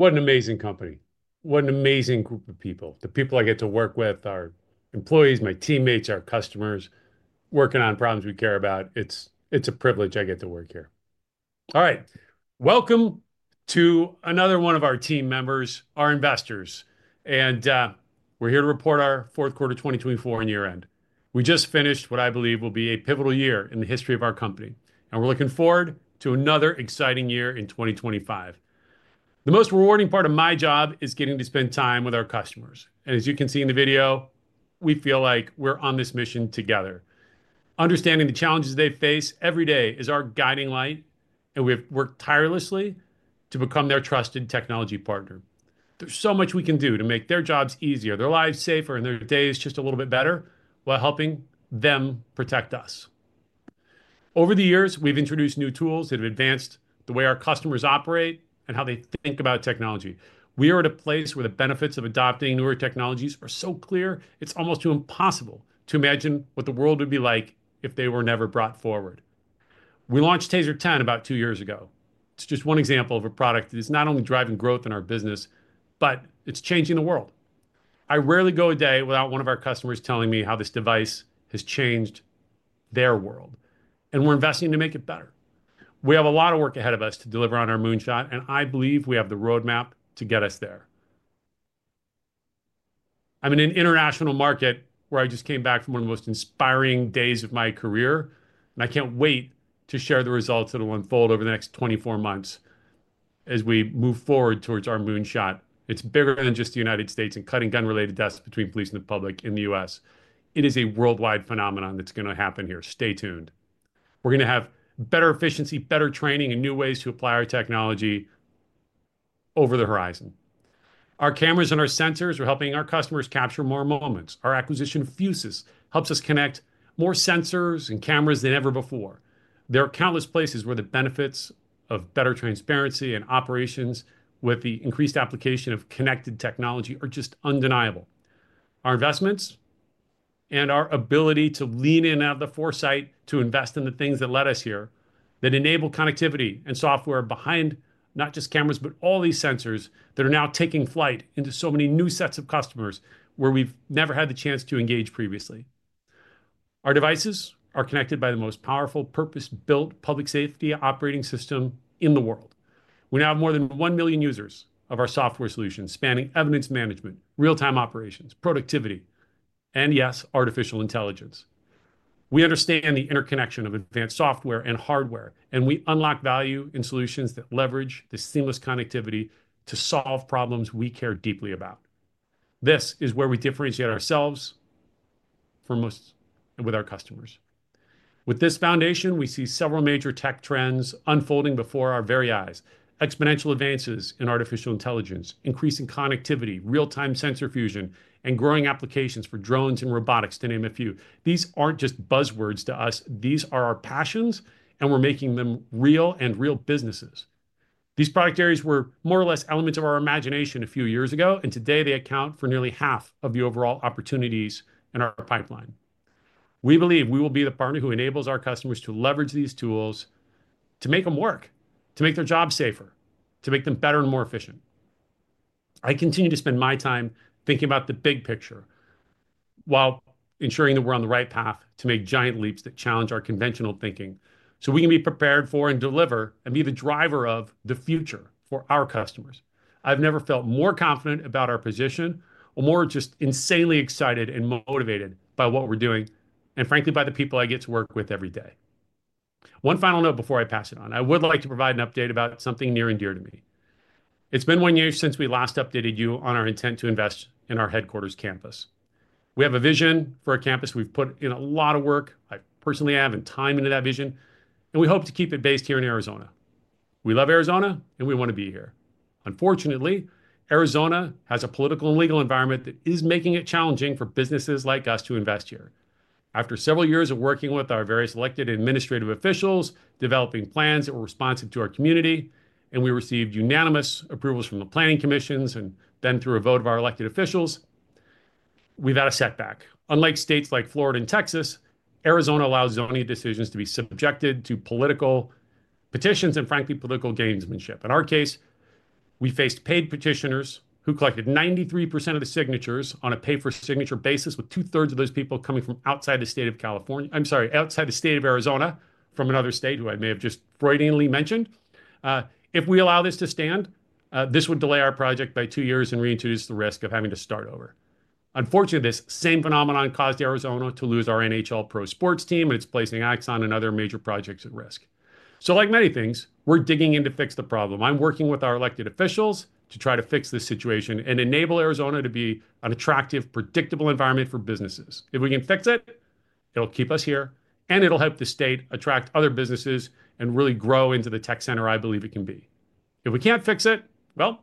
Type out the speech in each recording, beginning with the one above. What an amazing company. What an amazing group of people. The people I get to work with are employees, my teammates, our customers working on problems we care about. It's a privilege I get to work here. All right, welcome to another one of our team members, our investors, and we're here to report our fourth quarter 2024 and year-end. We just finished what I believe will be a pivotal year in the history of our company, and we're looking forward to another exciting year in 2025. The most rewarding part of my job is getting to spend time with our customers, and as you can see in the video, we feel like we're on this mission together. Understanding the challenges they face every day is our guiding light, and we have worked tirelessly to become their trusted technology partner. There's so much we can do to make their jobs easier, their lives safer, and their days just a little bit better while helping them protect us. Over the years, we've introduced new tools that have advanced the way our customers operate and how they think about technology. We are at a place where the benefits of adopting newer technologies are so clear, it's almost impossible to imagine what the world would be like if they were never brought forward. We launched TASER 10 about two years ago. It's just one example of a product that is not only driving growth in our business, but it's changing the world. I rarely go a day without one of our customers telling me how this device has changed their world, and we're investing to make it better. We have a lot of work ahead of us to deliver on our moonshot, and I believe we have the roadmap to get us there. I'm in an international market where I just came back from one of the most inspiring days of my career, and I can't wait to share the results that will unfold over the next 24 months as we move forward towards our moonshot. It's bigger than just the United States and cutting gun-related deaths between police and the public in the U.S. It is a worldwide phenomenon that's going to happen here. Stay tuned. We're going to have better efficiency, better training, and new ways to apply our technology over the horizon. Our cameras and our sensors are helping our customers capture more moments. Our acquisition Fusus helps us connect more sensors and cameras than ever before. There are countless places where the benefits of better transparency and operations with the increased application of connected technology are just undeniable. Our investments and our ability to lean in out of the foresight to invest in the things that led us here that enable connectivity and software behind not just cameras, but all these sensors that are now taking flight into so many new sets of customers where we've never had the chance to engage previously. Our devices are connected by the most powerful purpose-built public safety operating system in the world. We now have more than one million users of our software solutions spanning evidence management, real-time operations, productivity, and yes, artificial intelligence. We understand the interconnection of advanced software and hardware, and we unlock value in solutions that leverage the seamless connectivity to solve problems we care deeply about. This is where we differentiate ourselves from most with our customers. With this foundation, we see several major tech trends unfolding before our very eyes: exponential advances in artificial intelligence, increasing connectivity, real-time sensor fusion, and growing applications for drones and robotics, to name a few. These aren't just buzzwords to us. These are our passions, and we're making them real and real businesses. These product areas were more or less elements of our imagination a few years ago, and today they account for nearly half of the overall opportunities in our pipeline. We believe we will be the partner who enables our customers to leverage these tools to make them work, to make their jobs safer, to make them better and more efficient. I continue to spend my time thinking about the big picture while ensuring that we're on the right path to make giant leaps that challenge our conventional thinking so we can be prepared for and deliver and be the driver of the future for our customers. I've never felt more confident about our position or more just insanely excited and motivated by what we're doing and, frankly, by the people I get to work with every day. One final note before I pass it on. I would like to provide an update about something near and dear to me. It's been one year since we last updated you on our intent to invest in our headquarters campus. We have a vision for a campus we've put in a lot of work, I personally have, and time into that vision, and we hope to keep it based here in Arizona. We love Arizona, and we want to be here. Unfortunately, Arizona has a political and legal environment that is making it challenging for businesses like us to invest here. After several years of working with our various elected administrative officials, developing plans that were responsive to our community, and we received unanimous approvals from the planning commissions and then through a vote of our elected officials, we've had a setback. Unlike states like Florida and Texas, Arizona allows zoning decisions to be subjected to political petitions and, frankly, political gamesmanship. In our case, we faced paid petitioners who collected 93% of the signatures on a pay-for-signature basis, with two-thirds of those people coming from outside the state of California, I'm sorry, outside the state of Arizona, from another state who I may have just Freudianly mentioned. If we allow this to stand, this would delay our project by two years and reintroduce the risk of having to start over. Unfortunately, this same phenomenon caused Arizona to lose our NHL pro sports team, and it's placing Axon and other major projects at risk. So, like many things, we're digging in to fix the problem. I'm working with our elected officials to try to fix this situation and enable Arizona to be an attractive, predictable environment for businesses. If we can fix it, it'll keep us here, and it'll help the state attract other businesses and really grow into the tech center I believe it can be. If we can't fix it, well,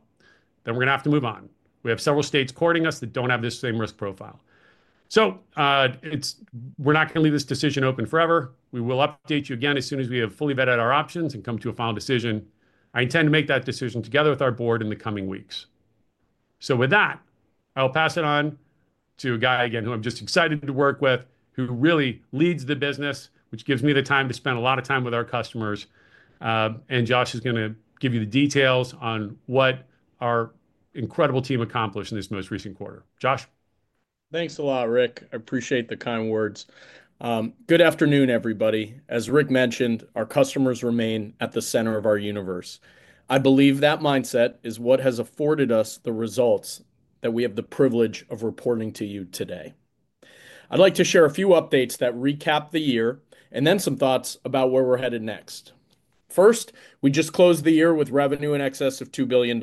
then we're going to have to move on. We have several states courting us that don't have this same risk profile. So, we're not going to leave this decision open forever. We will update you again as soon as we have fully vetted our options and come to a final decision. I intend to make that decision together with our board in the coming weeks. So, with that, I'll pass it on to a guy again who I'm just excited to work with, who really leads the business, which gives me the time to spend a lot of time with our customers. And Josh is going to give you the details on what our incredible team accomplished in this most recent quarter. Josh. Thanks a lot, Rick. I appreciate the kind words. Good afternoon, everybody. As Rick mentioned, our customers remain at the center of our universe. I believe that mindset is what has afforded us the results that we have the privilege of reporting to you today. I'd like to share a few updates that recap the year and then some thoughts about where we're headed next. First, we just closed the year with revenue in excess of $2 billion.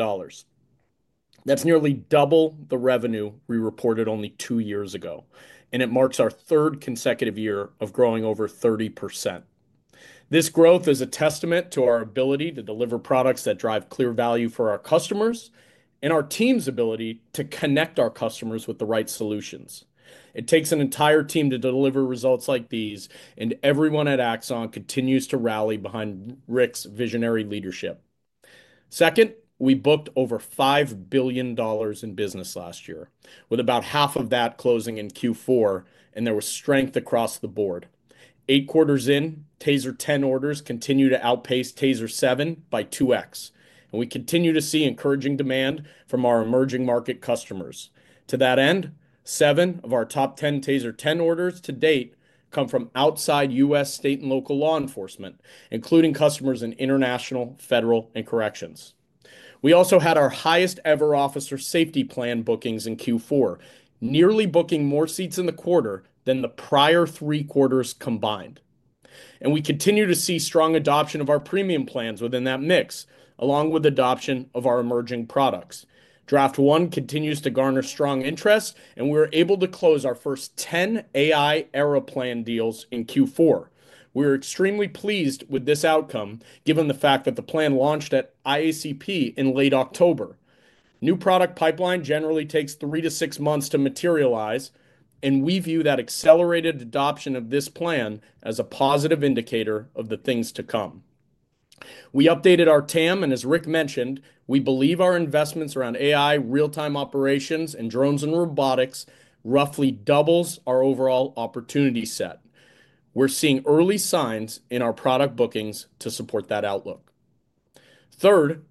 That's nearly double the revenue we reported only two years ago. And it marks our third consecutive year of growing over 30%. This growth is a testament to our ability to deliver products that drive clear value for our customers and our team's ability to connect our customers with the right solutions. It takes an entire team to deliver results like these, and everyone at Axon continues to rally behind Rick's visionary leadership. Second, we booked over $5 billion in business last year, with about $2.5 billion of that closing in Q4, and there was strength across the board. Eight quarters in, TASER 10 orders continue to outpace TASER 7 by 2x. And we continue to see encouraging demand from our emerging market customers. To that end, seven of our top 10 TASER 10 orders to date come from outside U.S. state and local law enforcement, including customers in international, federal, and corrections. We also had our highest-ever Officer Safety Plan bookings in Q4, nearly booking more seats in the quarter than the prior three quarters combined. And we continue to see strong adoption of our premium plans within that mix, along with adoption of our emerging products. Draft One continues to garner strong interest, and we were able to close our first 10 AI Era Plan deals in Q4. We are extremely pleased with this outcome given the fact that the plan launched at IACP in late October. New product pipeline generally takes three to six months to materialize, and we view that accelerated adoption of this plan as a positive indicator of the things to come. We updated our TAM, and as Rick mentioned, we believe our investments around AI, real-time operations, and drones and robotics roughly doubles our overall opportunity set. We're seeing early signs in our product bookings to support that outlook. Third,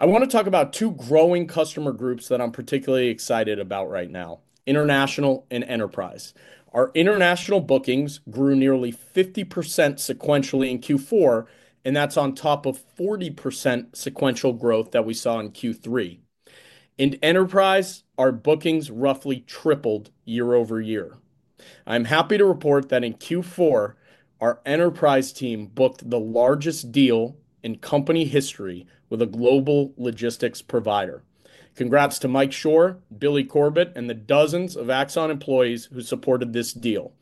I want to talk about two growing customer groups that I'm particularly excited about right now: international and enterprise. Our international bookings grew nearly 50% sequentially in Q4, and that's on top of 40% sequential growth that we saw in Q3. In enterprise, our bookings roughly tripled year-over-year. I'm happy to report that in Q4, our enterprise team booked the largest deal in company history with a global logistics provider. Congrats to Mike Shore, Billy Corbett, and the dozens of Axon employees who supported this deal.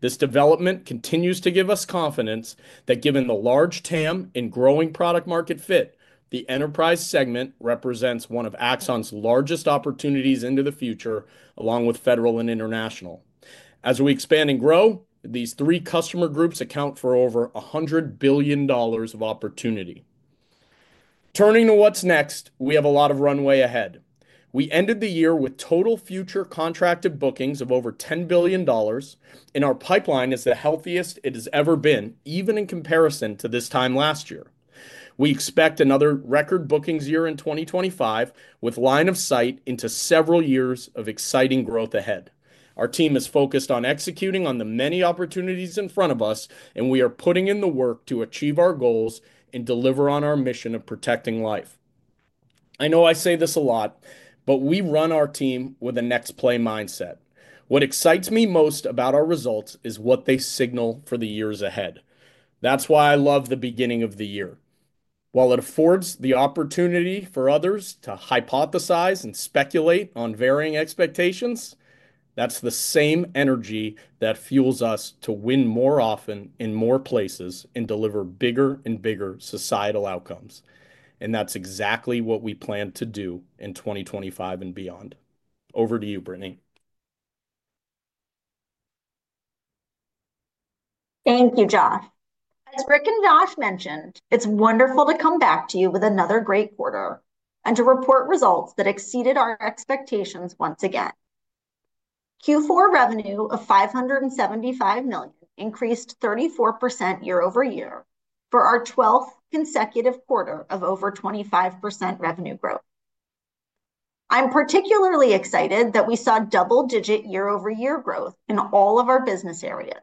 This development continues to give us confidence that given the large TAM and growing product-market fit, the enterprise segment represents one of Axon's largest opportunities into the future, along with federal and international. As we expand and grow, these three customer groups account for over $100 billion of opportunity. Turning to what's next, we have a lot of runway ahead. We ended the year with total future contracted bookings of over $10 billion, and our pipeline is the healthiest it has ever been, even in comparison to this time last year. We expect another record bookings year in 2025 with line of sight into several years of exciting growth ahead. Our team is focused on executing on the many opportunities in front of us, and we are putting in the work to achieve our goals and deliver on our mission of protecting life. I know I say this a lot, but we run our team with a next-play mindset. What excites me most about our results is what they signal for the years ahead. That's why I love the beginning of the year. While it affords the opportunity for others to hypothesize and speculate on varying expectations, that's the same energy that fuels us to win more often in more places and deliver bigger and bigger societal outcomes, and that's exactly what we plan to do in 2025 and beyond. Over to you, Brittany. Thank you, Josh. As Rick and Josh mentioned, it's wonderful to come back to you with another great quarter and to report results that exceeded our expectations once again. Q4 revenue of $575 million increased 34% year over year for our 12th consecutive quarter of over 25% revenue growth. I'm particularly excited that we saw double-digit year-over-year growth in all of our business areas,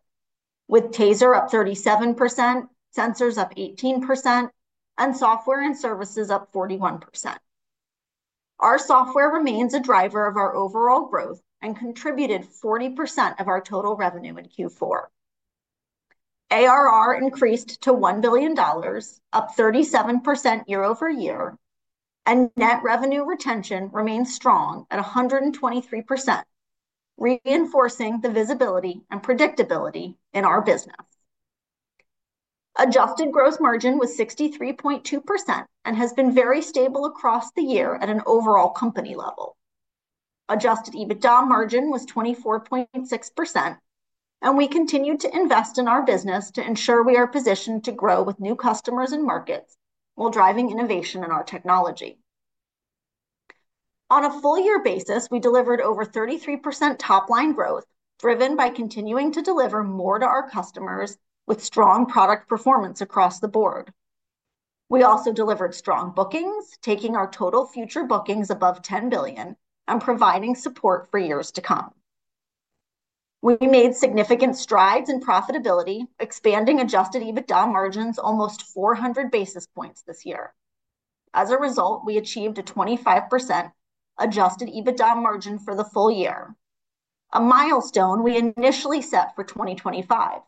with Taser up 37%, sensors up 18%, and software and services up 41%. Our software remains a driver of our overall growth and contributed 40% of our total revenue in Q4. ARR increased to $1 billion, up 37% year over year, and net revenue retention remains strong at 123%, reinforcing the visibility and predictability in our business. Adjusted gross margin was 63.2% and has been very stable across the year at an overall company level. Adjusted EBITDA margin was 24.6%, and we continue to invest in our business to ensure we are positioned to grow with new customers and markets while driving innovation in our technology. On a full-year basis, we delivered over 33% top-line growth driven by continuing to deliver more to our customers with strong product performance across the board. We also delivered strong bookings, taking our total future bookings above $10 billion and providing support for years to come. We made significant strides in profitability, expanding adjusted EBITDA margins almost 400 basis points this year. As a result, we achieved a 25% adjusted EBITDA margin for the full year, a milestone we initially set for 2025.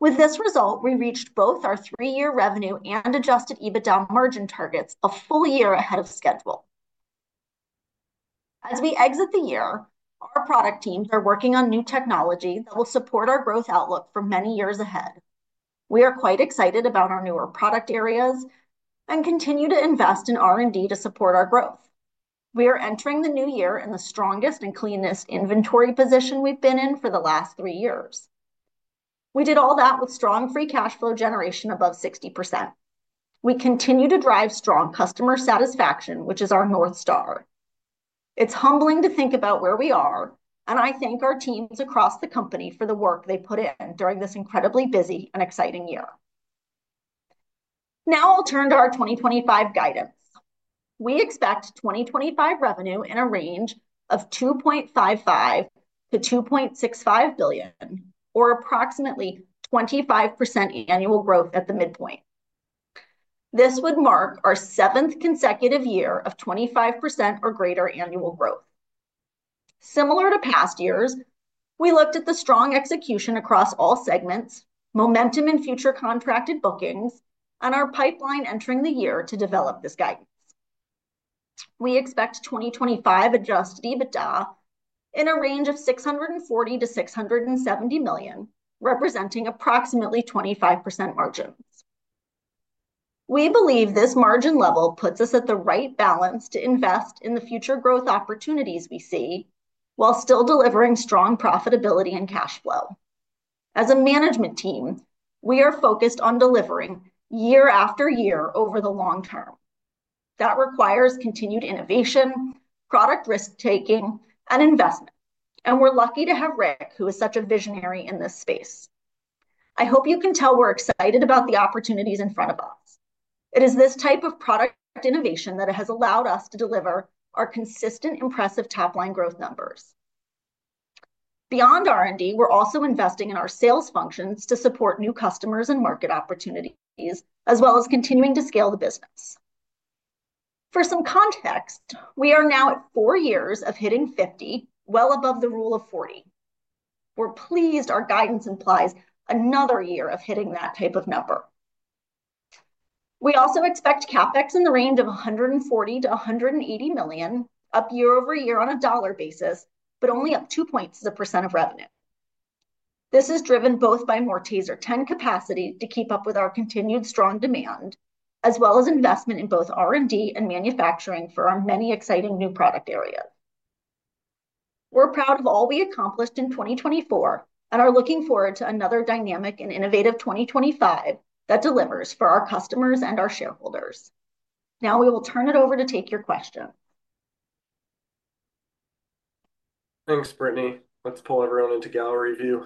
With this result, we reached both our three-year revenue and adjusted EBITDA margin targets a full year ahead of schedule. As we exit the year, our product teams are working on new technology that will support our growth outlook for many years ahead. We are quite excited about our newer product areas and continue to invest in R&D to support our growth. We are entering the new year in the strongest and cleanest inventory position we've been in for the last three years. We did all that with strong free cash flow generation above 60%. We continue to drive strong customer satisfaction, which is our North Star. It's humbling to think about where we are, and I thank our teams across the company for the work they put in during this incredibly busy and exciting year. Now I'll turn to our 2025 guidance. We expect 2025 revenue in a range of $2.55-$2.65 billion, or approximately 25% annual growth at the midpoint. This would mark our seventh consecutive year of 25% or greater annual growth. Similar to past years, we looked at the strong execution across all segments, momentum in future contracted bookings, and our pipeline entering the year to develop this guidance. We expect 2025 adjusted EBITDA in a range of $640-$670 million, representing approximately 25% margins. We believe this margin level puts us at the right balance to invest in the future growth opportunities we see while still delivering strong profitability and cash flow. As a management team, we are focused on delivering year after year over the long term. That requires continued innovation, product risk-taking, and investment. And we're lucky to have Rick, who is such a visionary in this space. I hope you can tell we're excited about the opportunities in front of us. It is this type of product innovation that has allowed us to deliver our consistent, impressive top-line growth numbers. Beyond R&D, we're also investing in our sales functions to support new customers and market opportunities, as well as continuing to scale the business. For some context, we are now at four years of hitting 50, well above the Rule of 40. We're pleased our guidance implies another year of hitting that type of number. We also expect CapEx in the range of $140 million-$180 million, up year-over-year on a dollar basis, but only up two points as a percent of revenue. This is driven both by more TASER 10 capacity to keep up with our continued strong demand, as well as investment in both R&D and manufacturing for our many exciting new product areas. We're proud of all we accomplished in 2024 and are looking forward to another dynamic and innovative 2025 that delivers for our customers and our shareholders. Now we will turn it over to take your question. Thanks, Brittany. Let's pull everyone into gallery view.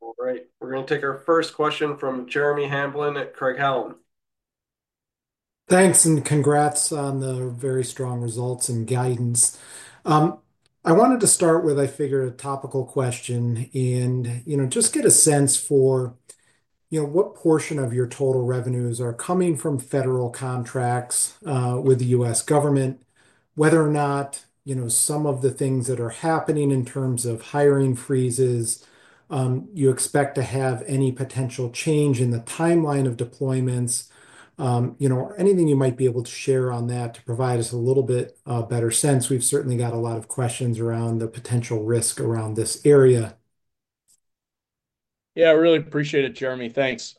All right. We're going to take our first question from Jeremy Hamblin at Craig-Hallum. Thanks and congrats on the very strong results and guidance. I wanted to start with, I figure, a topical question and, you know, just get a sense for, you know, what portion of your total revenues are coming from federal contracts with the U.S. government, whether or not, you know, some of the things that are happening in terms of hiring freezes, you expect to have any potential change in the timeline of deployments, you know, or anything you might be able to share on that to provide us a little bit better sense? We've certainly got a lot of questions around the potential risk around this area. Yeah, I really appreciate it, Jeremy. Thanks.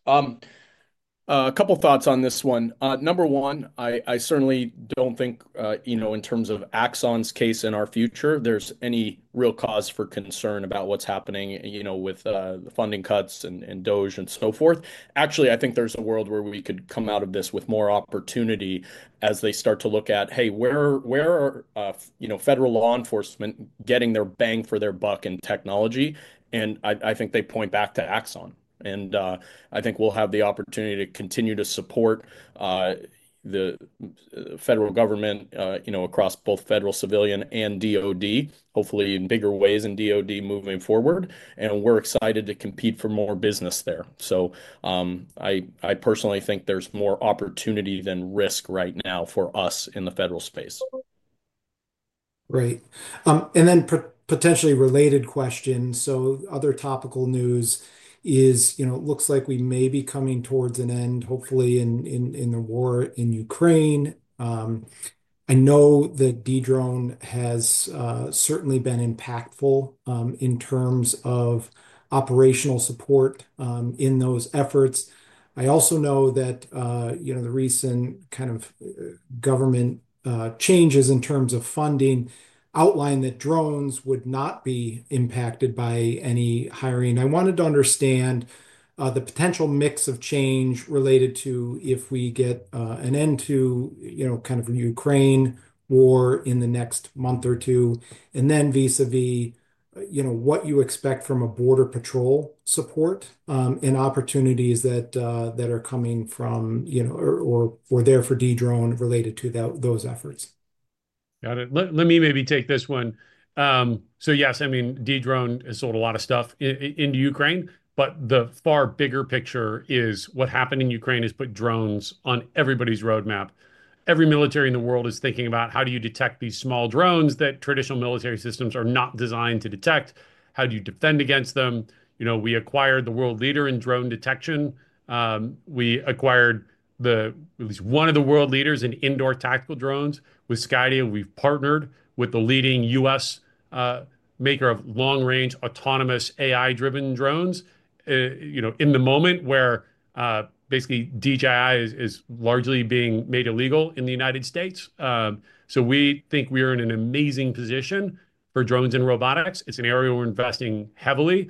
A couple of thoughts on this one. Number one, I certainly don't think, you know, in terms of Axon's case in our future, there's any real cause for concern about what's happening, you know, with the funding cuts and DOGE and so forth. Actually, I think there's a world where we could come out of this with more opportunity as they start to look at, hey, where are, you know, federal law enforcement getting their bang for their buck in technology? And I think they point back to Axon, and I think we'll have the opportunity to continue to support the federal government, you know, across both federal, civilian, and DOD, hopefully in bigger ways in DOD moving forward, and we're excited to compete for more business there. So I personally think there's more opportunity than risk right now for us in the federal space. Great. And then potentially related questions. So other topical news is, you know, it looks like we may be coming towards an end, hopefully in the war in Ukraine. I know that Dedrone has certainly been impactful in terms of operational support in those efforts. I also know that, you know, the recent kind of government changes in terms of funding outlined that drones would not be impacted by any hiring. I wanted to understand the potential mix of change related to if we get an end to, you know, kind of Ukraine war in the next month or two, and then vis-à-vis, you know, what you expect from a Border Patrol support and opportunities that are coming from, you know, or there for Dedrone related to those efforts. Got it. Let me maybe take this one. So yes, I mean, Dedrone has sold a lot of stuff into Ukraine, but the far bigger picture is what happened in Ukraine has put drones on everybody's roadmap. Every military in the world is thinking about how do you detect these small drones that traditional military systems are not designed to detect? How do you defend against them? You know, we acquired the world leader in drone detection. We acquired at least one of the world leaders in indoor tactical drones. With Skydio, we've partnered with the leading U.S. maker of long-range autonomous AI-driven drones, you know, in the moment where basically DJI is largely being made illegal in the United States. So we think we are in an amazing position for drones and robotics. It's an area we're investing heavily.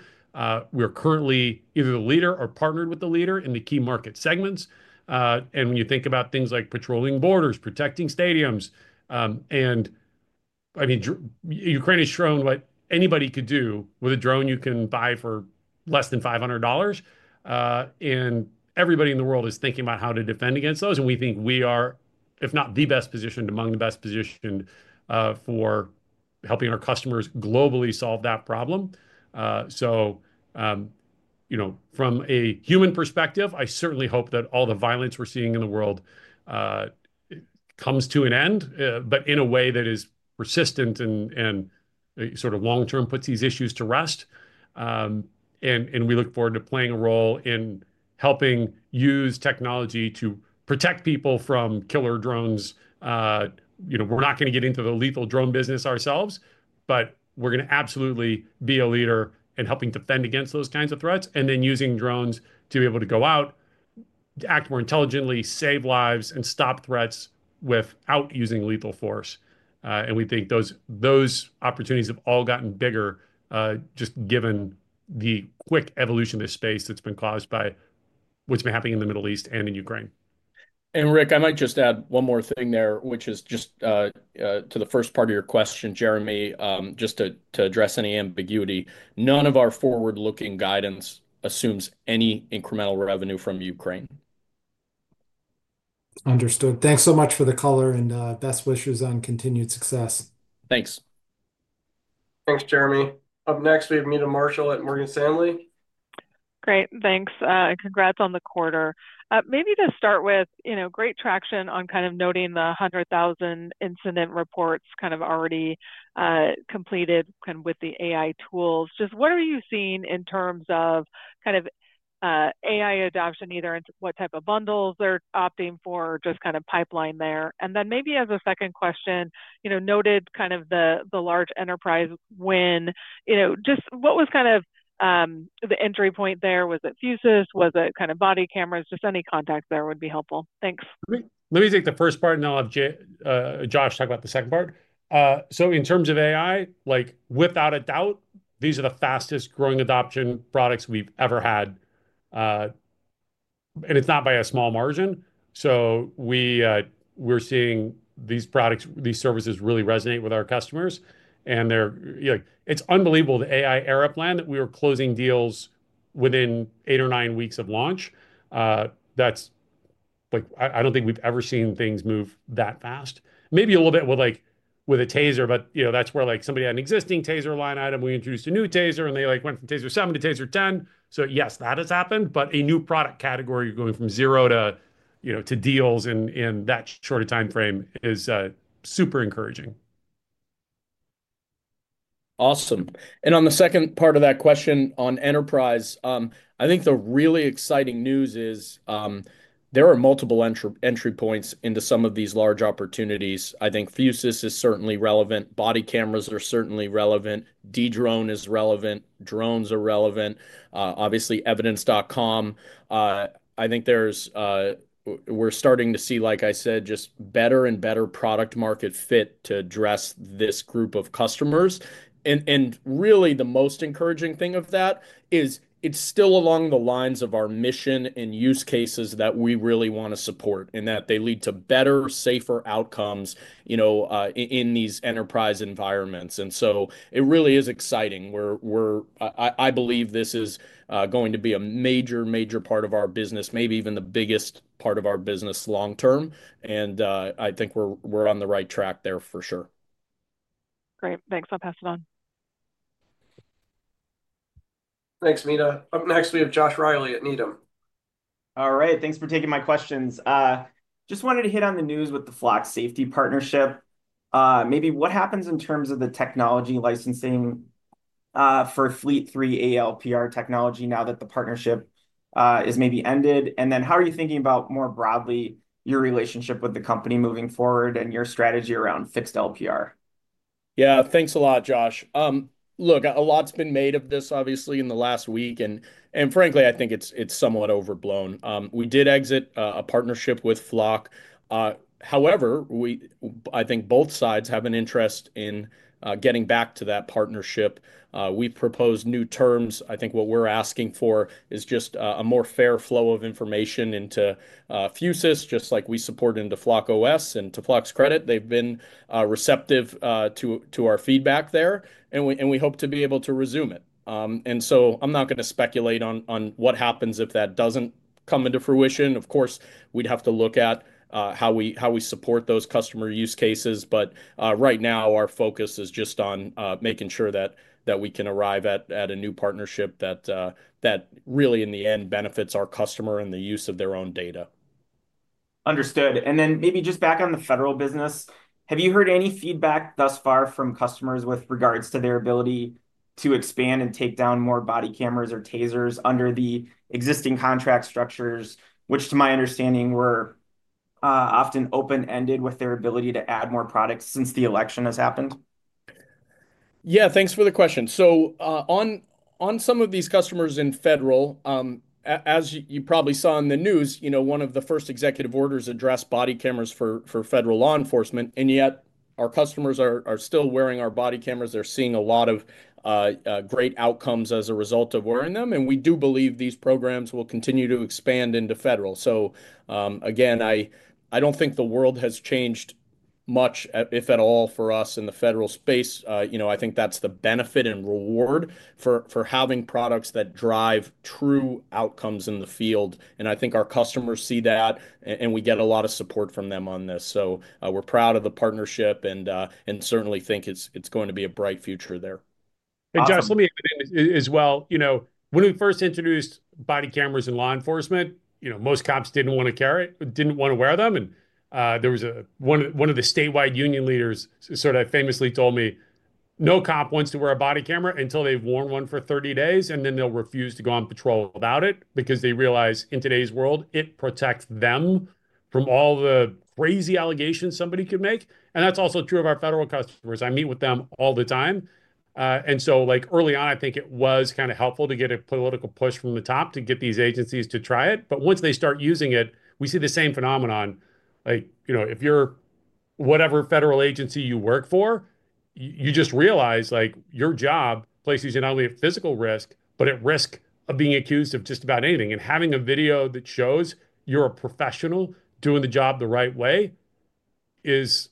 We're currently either the leader or partnered with the leader in the key market segments. And when you think about things like patrolling borders, protecting stadiums, and I mean, Ukraine has shown what anybody could do with a drone you can buy for less than $500. And everybody in the world is thinking about how to defend against those. And we think we are, if not the best positioned, among the best positioned for helping our customers globally solve that problem. So, you know, from a human perspective, I certainly hope that all the violence we're seeing in the world comes to an end, but in a way that is persistent and sort of long-term puts these issues to rest. And we look forward to playing a role in helping use technology to protect people from killer drones. You know, we're not going to get into the lethal drone business ourselves, but we're going to absolutely be a leader in helping defend against those kinds of threats and then using drones to be able to go out, act more intelligently, save lives, and stop threats without using lethal force. And we think those opportunities have all gotten bigger just given the quick evolution of this space that's been caused by what's been happening in the Middle East and in Ukraine. And Rick, I might just add one more thing there, which is just to the first part of your question, Jeremy, just to address any ambiguity. None of our forward-looking guidance assumes any incremental revenue from Ukraine. Understood. Thanks so much for the color and best wishes on continued success. Thanks. Thanks, Jeremy. Up next, we have Meta Marshall at Morgan Stanley. Great. Thanks. And congrats on the quarter. Maybe to start with, you know, great traction on kind of noting the 100,000 incident reports kind of already completed kind of with the AI tools. Just what are you seeing in terms of kind of AI adoption, either in what type of bundles they're opting for, just kind of pipeline there? And then maybe as a second question, you know, noted kind of the large enterprise win, you know, just what was kind of the entry point there? Was it Fusus? Was it kind of body cameras? Just any context there would be helpful. Thanks. Great. Let me take the first part, and then I'll have Josh talk about the second part. So in terms of AI, like without a doubt, these are the fastest growing adoption products we've ever had. And it's not by a small margin. So we're seeing these products, these services really resonate with our customers. And it's unbelievable, the AI Era Plan that we were closing deals within eight or nine weeks of launch. That's like, I don't think we've ever seen things move that fast. Maybe a little bit with like a Taser, but you know, that's where like somebody had an existing Taser line item, we introduced a new Taser, and they like went from Taser 7 to Taser 10. So yes, that has happened, but a new product category going from zero to, you know, to deals in that shorter timeframe is super encouraging. Awesome. On the second part of that question on enterprise, I think the really exciting news is there are multiple entry points into some of these large opportunities. I think Fusus is certainly relevant. Body cameras are certainly relevant. Dedrone is relevant. Drones are relevant. Obviously, Evidence.com. I think there's, we're starting to see, like I said, just better and better product market fit to address this group of customers. And really the most encouraging thing of that is it's still along the lines of our mission and use cases that we really want to support and that they lead to better, safer outcomes, you know, in these enterprise environments. And so it really is exciting. I believe this is going to be a major, major part of our business, maybe even the biggest part of our business long term. I think we're on the right track there for sure. Great. Thanks. I'll pass it on. Thanks, Meta. Up next, we have Josh Riley at Needham. All right. Thanks for taking my questions. Just wanted to hit on the news with the Flock Safety Partnership. Maybe what happens in terms of the technology licensing for Fleet 3 ALPR technology now that the partnership is maybe ended? And then how are you thinking about more broadly your relationship with the company moving forward and your strategy around fixed LPR? Yeah, thanks a lot, Josh. Look, a lot's been made of this, obviously, in the last week, and frankly, I think it's somewhat overblown. We did exit a partnership with Flock. However, I think both sides have an interest in getting back to that partnership. We've proposed new terms. I think what we're asking for is just a more fair flow of information into Fusus, just like we support into FlockOS, and to Flock's credit, they've been receptive to our feedback there, and we hope to be able to resume it, and so I'm not going to speculate on what happens if that doesn't come into fruition. Of course, we'd have to look at how we support those customer use cases. But right now, our focus is just on making sure that we can arrive at a new partnership that really, in the end, benefits our customer and the use of their own data. Understood. And then maybe just back on the federal business, have you heard any feedback thus far from customers with regards to their ability to expand and take down more body cameras or Tasers under the existing contract structures, which to my understanding were often open-ended with their ability to add more products since the election has happened? Yeah, thanks for the question. So on some of these customers in federal, as you probably saw in the news, you know, one of the first executive orders addressed body cameras for federal law enforcement. And yet our customers are still wearing our body cameras. They're seeing a lot of great outcomes as a result of wearing them. And we do believe these programs will continue to expand into federal. So again, I don't think the world has changed much, if at all, for us in the federal space. You know, I think that's the benefit and reward for having products that drive true outcomes in the field. And I think our customers see that, and we get a lot of support from them on this. So we're proud of the partnership and certainly think it's going to be a bright future there. And Josh, let me add in as well, you know, when we first introduced body cameras in law enforcement, you know, most cops didn't want to carry it, didn't want to wear them. And there was one of the statewide union leaders sort of famously told me, "No cop wants to wear a body camera until they've worn one for 30 days, and then they'll refuse to go on patrol without it because they realize in today's world, it protects them from all the crazy allegations somebody could make." And that's also true of our federal customers. I meet with them all the time. And so like early on, I think it was kind of helpful to get a political push from the top to get these agencies to try it. But once they start using it, we see the same phenomenon. Like, you know, if you're whatever federal agency you work for, you just realize like your job places you not only at physical risk, but at risk of being accused of just about anything, and having a video that shows you're a professional doing the job the right way is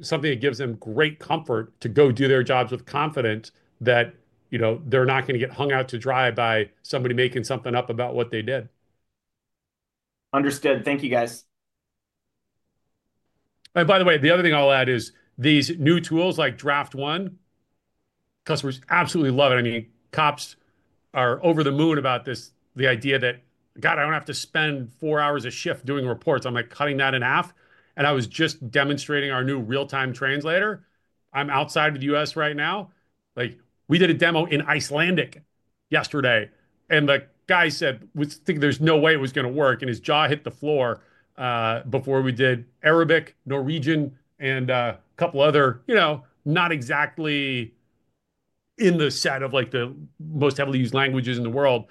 something that gives them great comfort to go do their jobs with confidence that, you know, they're not going to get hung out to dry by somebody making something up about what they did. Understood. Thank you, guys. By the way, the other thing I'll add is these new tools like Draft One. Customers absolutely love it. I mean, cops are over the moon about this, the idea that, "God, I don't have to spend four hours a shift doing reports. I'm like cutting that in half." I was just demonstrating our new real-time translator. I'm outside of the U.S. right now. Like we did a demo in Icelandic yesterday, and the guy said, "We think there's no way it was going to work," and his jaw hit the floor before we did Arabic, Norwegian, and a couple other, you know, not exactly in the set of like the most heavily used languages in the world.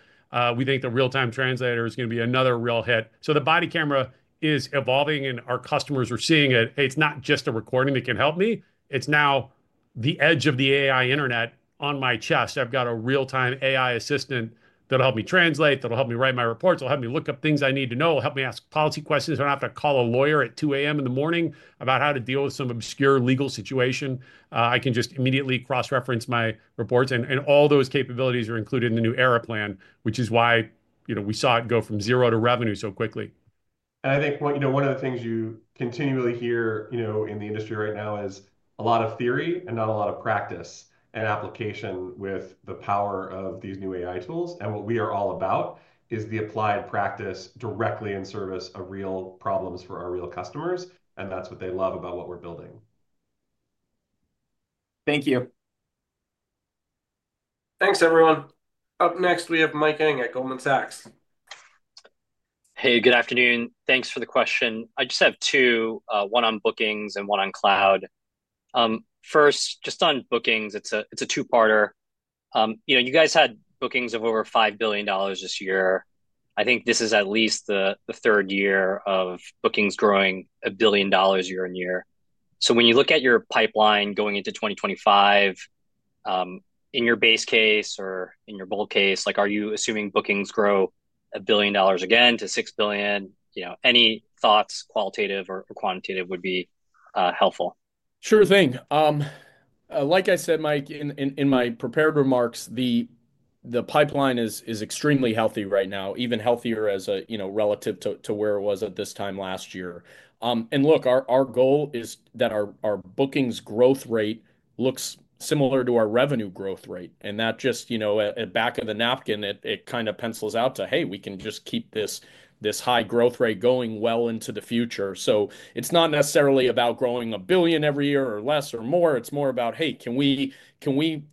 We think the real-time translator is going to be another real hit. The body camera is evolving, and our customers are seeing it. It's not just a recording that can help me. It's now the edge of the AI internet on my chest. I've got a real-time AI assistant that'll help me translate, that'll help me write my reports, will help me look up things I need to know, will help me ask policy questions. I don't have to call a lawyer at 2:00 A.M. in the morning about how to deal with some obscure legal situation. I can just immediately cross-reference my reports, and all those capabilities are included in the AI Era Plan, which is why, you know, we saw it go from zero to revenue so quickly. And I think, you know, one of the things you continually hear, you know, in the industry right now is a lot of theory and not a lot of practice and application with the power of these new AI tools. And what we are all about is the applied practice directly in service of real problems for our real customers. And that's what they love about what we're building. Thank you. Thanks, everyone. Up next, we have Mike Ng at Goldman Sachs. Hey, good afternoon. Thanks for the question. I just have two, one on bookings and one on cloud. First, just on bookings, it's a two-parter. You know, you guys had bookings of over $5 billion this year. I think this is at least the third year of bookings growing a billion dollars year on year. So when you look at your pipeline going into 2025, in your base case or in your bold case, like are you assuming bookings grow a billion dollars again to 6 billion? You know, any thoughts, qualitative or quantitative, would be helpful. Sure thing. Like I said, Mike, in my prepared remarks, the pipeline is extremely healthy right now, even healthier, you know, relative to where it was at this time last year. And look, our goal is that our bookings growth rate looks similar to our revenue growth rate. And that just, you know, at the back of the napkin, it kind of pencils out to, hey, we can just keep this high growth rate going well into the future. So it's not necessarily about growing a billion every year or less or more. It's more about, hey, can we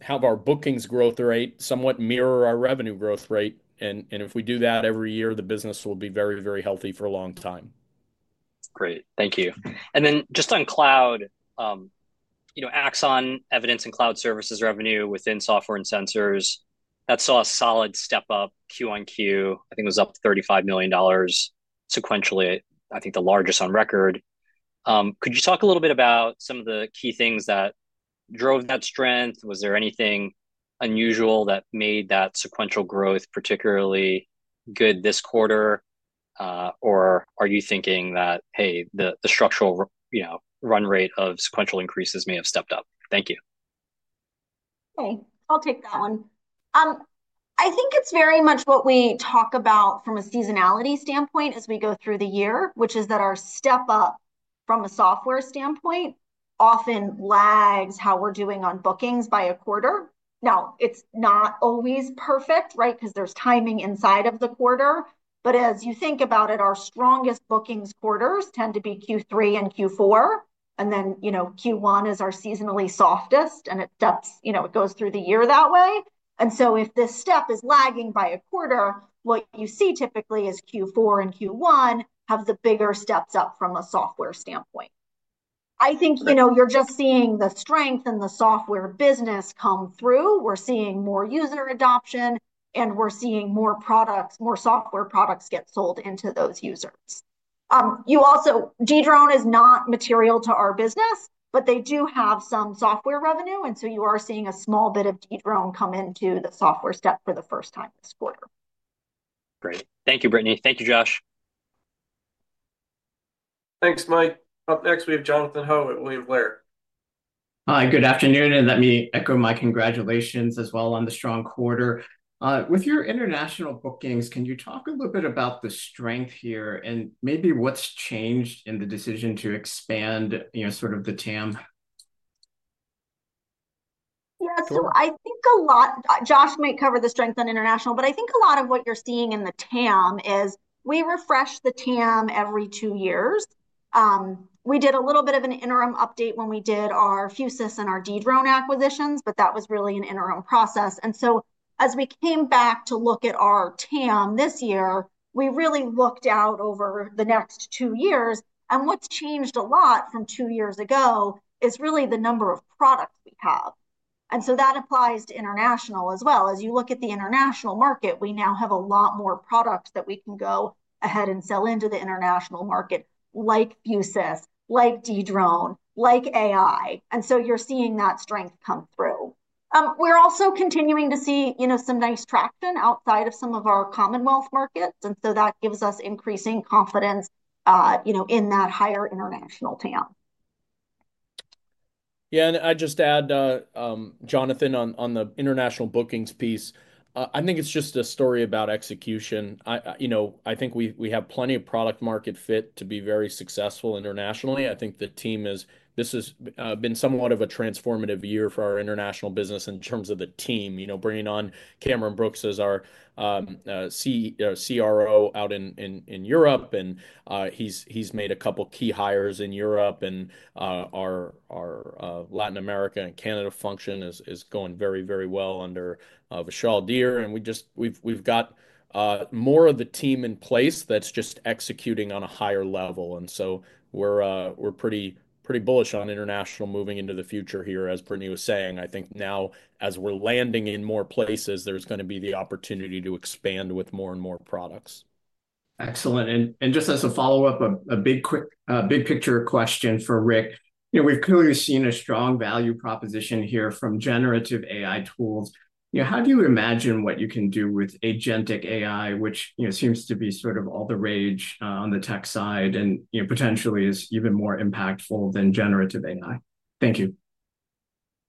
have our bookings growth rate somewhat mirror our revenue growth rate? And if we do that every year, the business will be very, very healthy for a long time. Great. Thank you. And then just on cloud, you know, Axon Evidence and Cloud Services revenue within software and sensors, that saw a solid step up Q on Q. I think it was up $35 million sequentially, I think the largest on record. Could you talk a little bit about some of the key things that drove that strength? Was there anything unusual that made that sequential growth particularly good this quarter? Or are you thinking that, hey, the structural, you know, run rate of sequential increases may have stepped up? Thank you. Okay. I'll take that one. I think it's very much what we talk about from a seasonality standpoint as we go through the year, which is that our step up from a software standpoint often lags how we're doing on bookings by a quarter. Now, it's not always perfect, right, because there's timing inside of the quarter. But as you think about it, our strongest bookings quarters tend to be Q3 and Q4. And then, you know, Q1 is our seasonally softest, and it dips, you know, it goes through the year that way. And so if this step is lagging by a quarter, what you see typically is Q4 and Q1 have the bigger steps up from a software standpoint. I think, you know, you're just seeing the strength in the software business come through. We're seeing more user adoption, and we're seeing more products, more software products get sold into those users. You also, Dedrone is not material to our business, but they do have some software revenue. And so you are seeing a small bit of Dedrone come into the software segment for the first time this quarter. Great. Thank you, Brittany. Thank you, Josh. Thanks, Mike. Up next, we have Jonathan Ho at William Blair. Hi, good afternoon. Let me echo my congratulations as well on the strong quarter. With your international bookings, can you talk a little bit about the strength here and maybe what's changed in the decision to expand, you know, sort of the TAM? Yeah, so I think a lot. Josh might cover the strength on international, but I think a lot of what you're seeing in the TAM is we refresh the TAM every two years. We did a little bit of an interim update when we did our Fusus and our Dedrone acquisitions, but that was really an interim process. And so as we came back to look at our TAM this year, we really looked out over the next two years. And what's changed a lot from two years ago is really the number of products we have. And so that applies to international as well. As you look at the international market, we now have a lot more products that we can go ahead and sell into the international market, like Fusus, like Dedrone, like AI. And so you're seeing that strength come through. We're also continuing to see, you know, some nice traction outside of some of our Commonwealth markets, and so that gives us increasing confidence, you know, in that higher international TAM. Yeah, and I'd just add, Jonathan, on the international bookings piece. I think it's just a story about execution. You know, I think we have plenty of product-market fit to be very successful internationally. I think the team is; this has been somewhat of a transformative year for our international business in terms of the team, you know, bringing on Cameron Brooks as our CRO out in Europe. And he's made a couple key hires in Europe. And our Latin America and Canada function is going very, very well under Vishal Dhir. And we just; we've got more of the team in place that's just executing on a higher level. And so we're pretty bullish on international moving into the future here, as Brittany was saying. I think now, as we're landing in more places, there's going to be the opportunity to expand with more and more products. Excellent. And just as a follow-up, a big quick big picture question for Rick. You know, we've clearly seen a strong value proposition here from generative AI tools. You know, how do you imagine what you can do with agentic AI, which, you know, seems to be sort of all the rage on the tech side and, you know, potentially is even more impactful than generative AI? Thank you.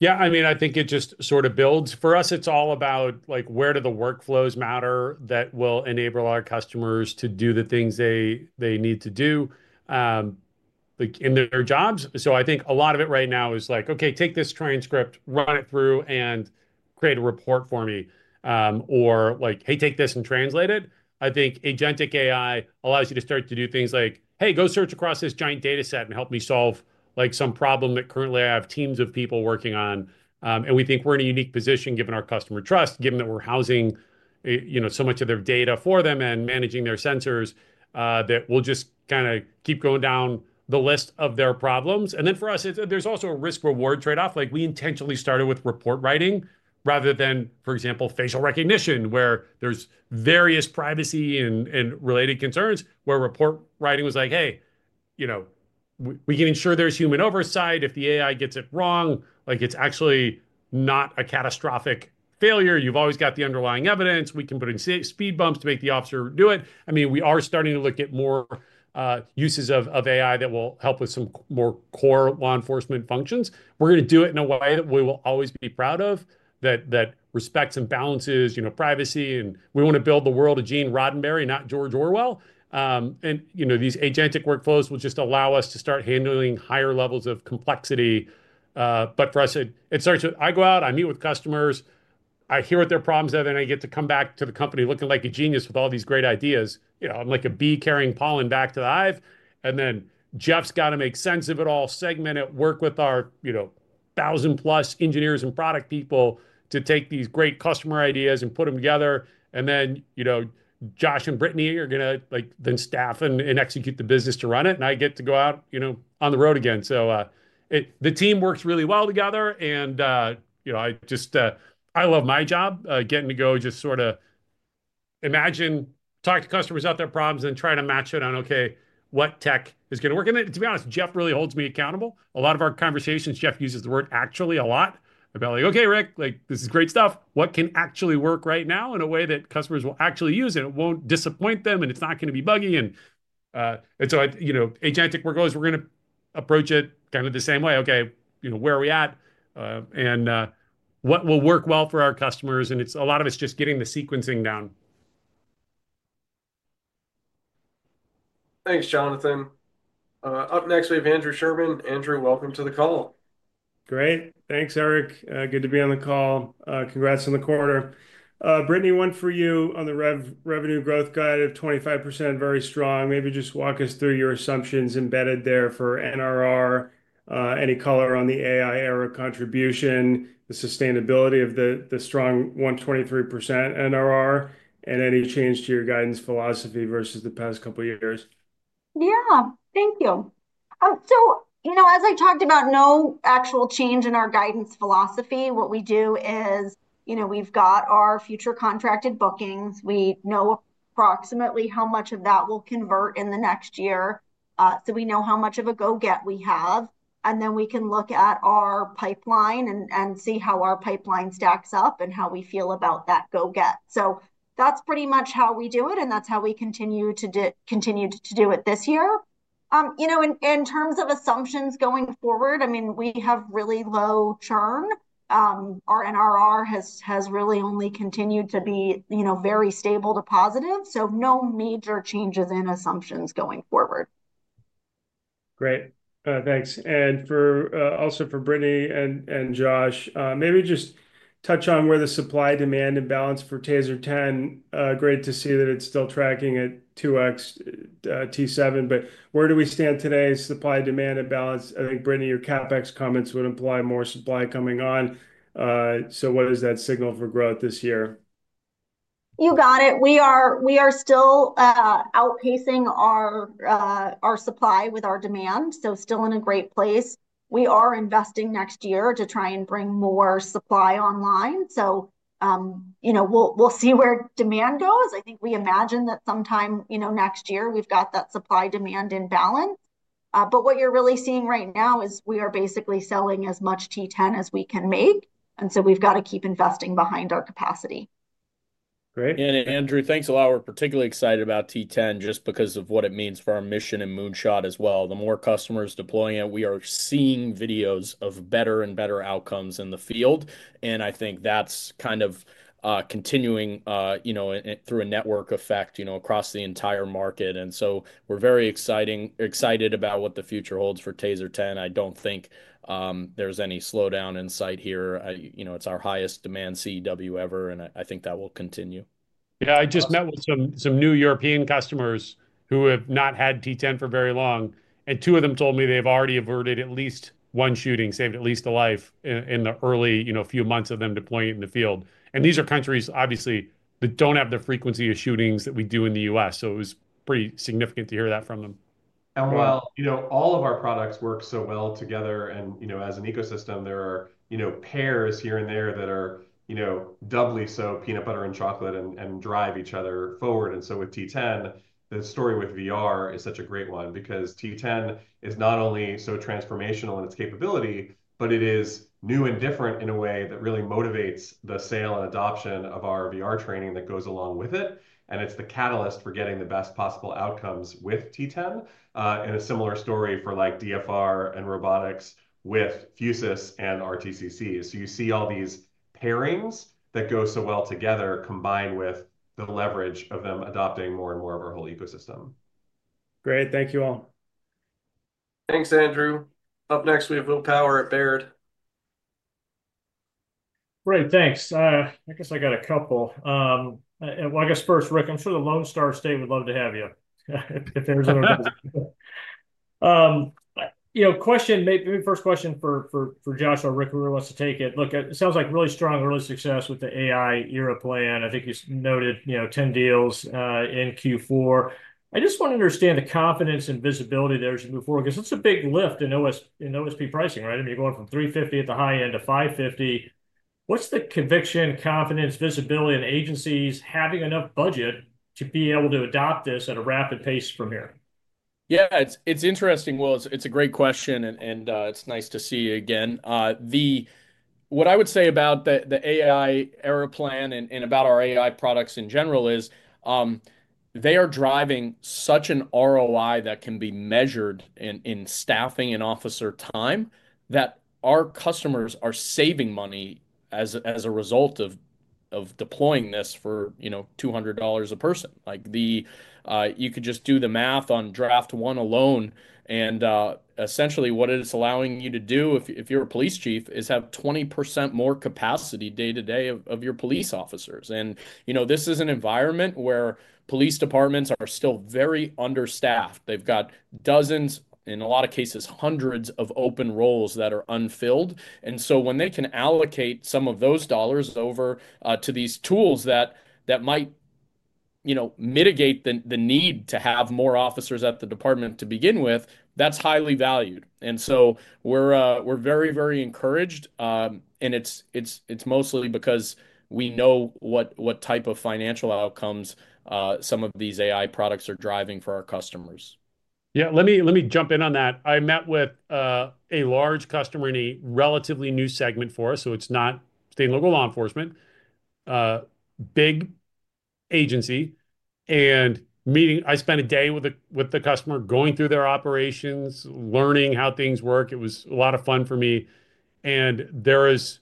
Yeah, I mean, I think it just sort of builds. For us, it's all about like where do the workflows matter that will enable our customers to do the things they need to do in their jobs. So I think a lot of it right now is like, okay, take this transcript, run it through, and create a report for me. Or like, hey, take this and translate it. I think agentic AI allows you to start to do things like, hey, go search across this giant data set and help me solve like some problem that currently I have teams of people working on. And we think we're in a unique position given our customer trust, given that we're housing, you know, so much of their data for them and managing their sensors that we'll just kind of keep going down the list of their problems. And then for us, there's also a risk-reward trade-off. Like we intentionally started with report writing rather than, for example, facial recognition where there's various privacy and related concerns where report writing was like, hey, you know, we can ensure there's human oversight. If the AI gets it wrong, like it's actually not a catastrophic failure. You've always got the underlying evidence. We can put in speed bumps to make the officer do it. I mean, we are starting to look at more uses of AI that will help with some more core law enforcement functions. We're going to do it in a way that we will always be proud of, that respects and balances, you know, privacy. And we want to build the world of Gene Roddenberry, not George Orwell. And, you know, these agentic workflows will just allow us to start handling higher levels of complexity. But for us, it starts with I go out, I meet with customers, I hear what their problems are, then I get to come back to the company looking like a genius with all these great ideas. You know, I'm like a bee carrying pollen back to the hive. And then Jeff's got to make sense of it all, segment it, work with our, you know, thousand-plus engineers and product people to take these great customer ideas and put them together. And then, you know, Josh and Brittany are going to like then staff and execute the business to run it. And I get to go out, you know, on the road again. So the team works really well together. You know, I just, I love my job getting to go just sort of imagine, talk to customers about their problems and then try to match it on, okay, what tech is going to work. To be honest, Jeff really holds me accountable. A lot of our conversations, Jeff uses the word actually a lot. I've been like, okay, Rick, like this is great stuff. What can actually work right now in a way that customers will actually use it? It won't disappoint them and it's not going to be buggy. So I, you know, agentic workloads, we're going to approach it kind of the same way. Okay, you know, where are we at? And what will work well for our customers? And it's a lot of it's just getting the sequencing down. Thanks, Jonathan. Up next, we have Andrew Sherman. Andrew, welcome to the call. Great. Thanks, Erik. Good to be on the call. Congrats on the quarter. Brittany, one for you on the revenue growth guide of 25%, very strong. Maybe just walk us through your assumptions embedded there for NRR, any color on the AI era contribution, the sustainability of the strong 123% NRR, and any change to your guidance philosophy versus the past couple of years. Yeah, thank you. So, you know, as I talked about, no actual change in our guidance philosophy. What we do is, you know, we've got our future contracted bookings. We know approximately how much of that will convert in the next year. So we know how much of a go-get we have. And then we can look at our pipeline and see how our pipeline stacks up and how we feel about that go-get. So that's pretty much how we do it. And that's how we continue to do it this year. You know, in terms of assumptions going forward, I mean, we have really low churn. Our NRR has really only continued to be, you know, very stable to positive. So no major changes in assumptions going forward. Great. Thanks. And also for Brittany and Josh, maybe just touch on where the supply-demand imbalance for Taser 10? Great to see that it's still tracking at 2X T7. But where do we stand today? Supply-demand imbalance. I think, Brittany, your CapEx comments would imply more supply coming on. So what is that signal for growth this year? You got it. We are still outpacing our supply with our demand, so still in a great place. We are investing next year to try and bring more supply online, so, you know, we'll see where demand goes. I think we imagine that sometime, you know, next year, we've got that supply-demand imbalance. But what you're really seeing right now is we are basically selling as much Taser 10 as we can make. And so we've got to keep investing behind our capacity. Great. And Andrew, thanks a lot. We're particularly excited about TASER 10 just because of what it means for our mission and moonshot as well. The more customers deploying it, we are seeing videos of better and better outcomes in the field. And I think that's kind of continuing, you know, through a network effect, you know, across the entire market. And so we're very excited about what the future holds for TASER 10. I don't think there's any slowdown in sight here. You know, it's our highest demand CEW ever. And I think that will continue. Yeah. I just met with some new European customers who have not had TASER 10 for very long. And two of them told me they've already averted at least one shooting, saved at least a life in the early, you know, few months of them deploying it in the field. These are countries, obviously, that don't have the frequency of shootings that we do in the U.S. It was pretty significant to hear that from them. All of our products work so well together. As an ecosystem, there are pairs here and there that are doubly so peanut butter and chocolate and drive each other forward. With T10, the story with VR is such a great one because T10 is not only so transformational in its capability, but it is new and different in a way that really motivates the sale and adoption of our VR training that goes along with it. It's the catalyst for getting the best possible outcomes with T10. A similar story for like DFR and robotics with Fusus and RTCC. You see all these pairings that go so well together combined with the leverage of them adopting more and more of our whole ecosystem. Great. Thank you all. Thanks, Andrew. Up next, we have Will Power at Baird. Great. Thanks. I guess I got a couple. Well, I guess first, Rick, I'm sure the Lone Star State would love to have you if there's an opportunity. You know, question, maybe first question for Josh or Rick, whoever wants to take it. Look, it sounds like really strong, early success with the AI Era Plan. I think you noted, you know, 10 deals in Q4. I just want to understand the confidence and visibility there as you move forward because it's a big lift in OSP pricing, right? I mean, you're going from $350 at the high end to $550. What's the conviction, confidence, visibility, and agencies having enough budget to be able to adopt this at a rapid pace from here? Yeah, it's interesting. Well, it's a great question and it's nice to see again. What I would say about the AI era plan and about our AI products in general is they are driving such an ROI that can be measured in staffing and officer time that our customers are saving money as a result of deploying this for, you know, $200 a person. Like you could just do the math on draft one alone and essentially what it's allowing you to do if you're a police chief is have 20% more capacity day-to-day of your police officers. You know, this is an environment where police departments are still very understaffed. They've got dozens, in a lot of cases, hundreds of open roles that are unfilled. And so when they can allocate some of those dollars over to these tools that might, you know, mitigate the need to have more officers at the department to begin with, that's highly valued. And so we're very, very encouraged. And it's mostly because we know what type of financial outcomes some of these AI products are driving for our customers. Yeah. Let me jump in on that. I met with a large customer in a relatively new segment for us. So it's not state and local law enforcement, big agency. And I spent a day with the customer going through their operations, learning how things work. It was a lot of fun for me. And there is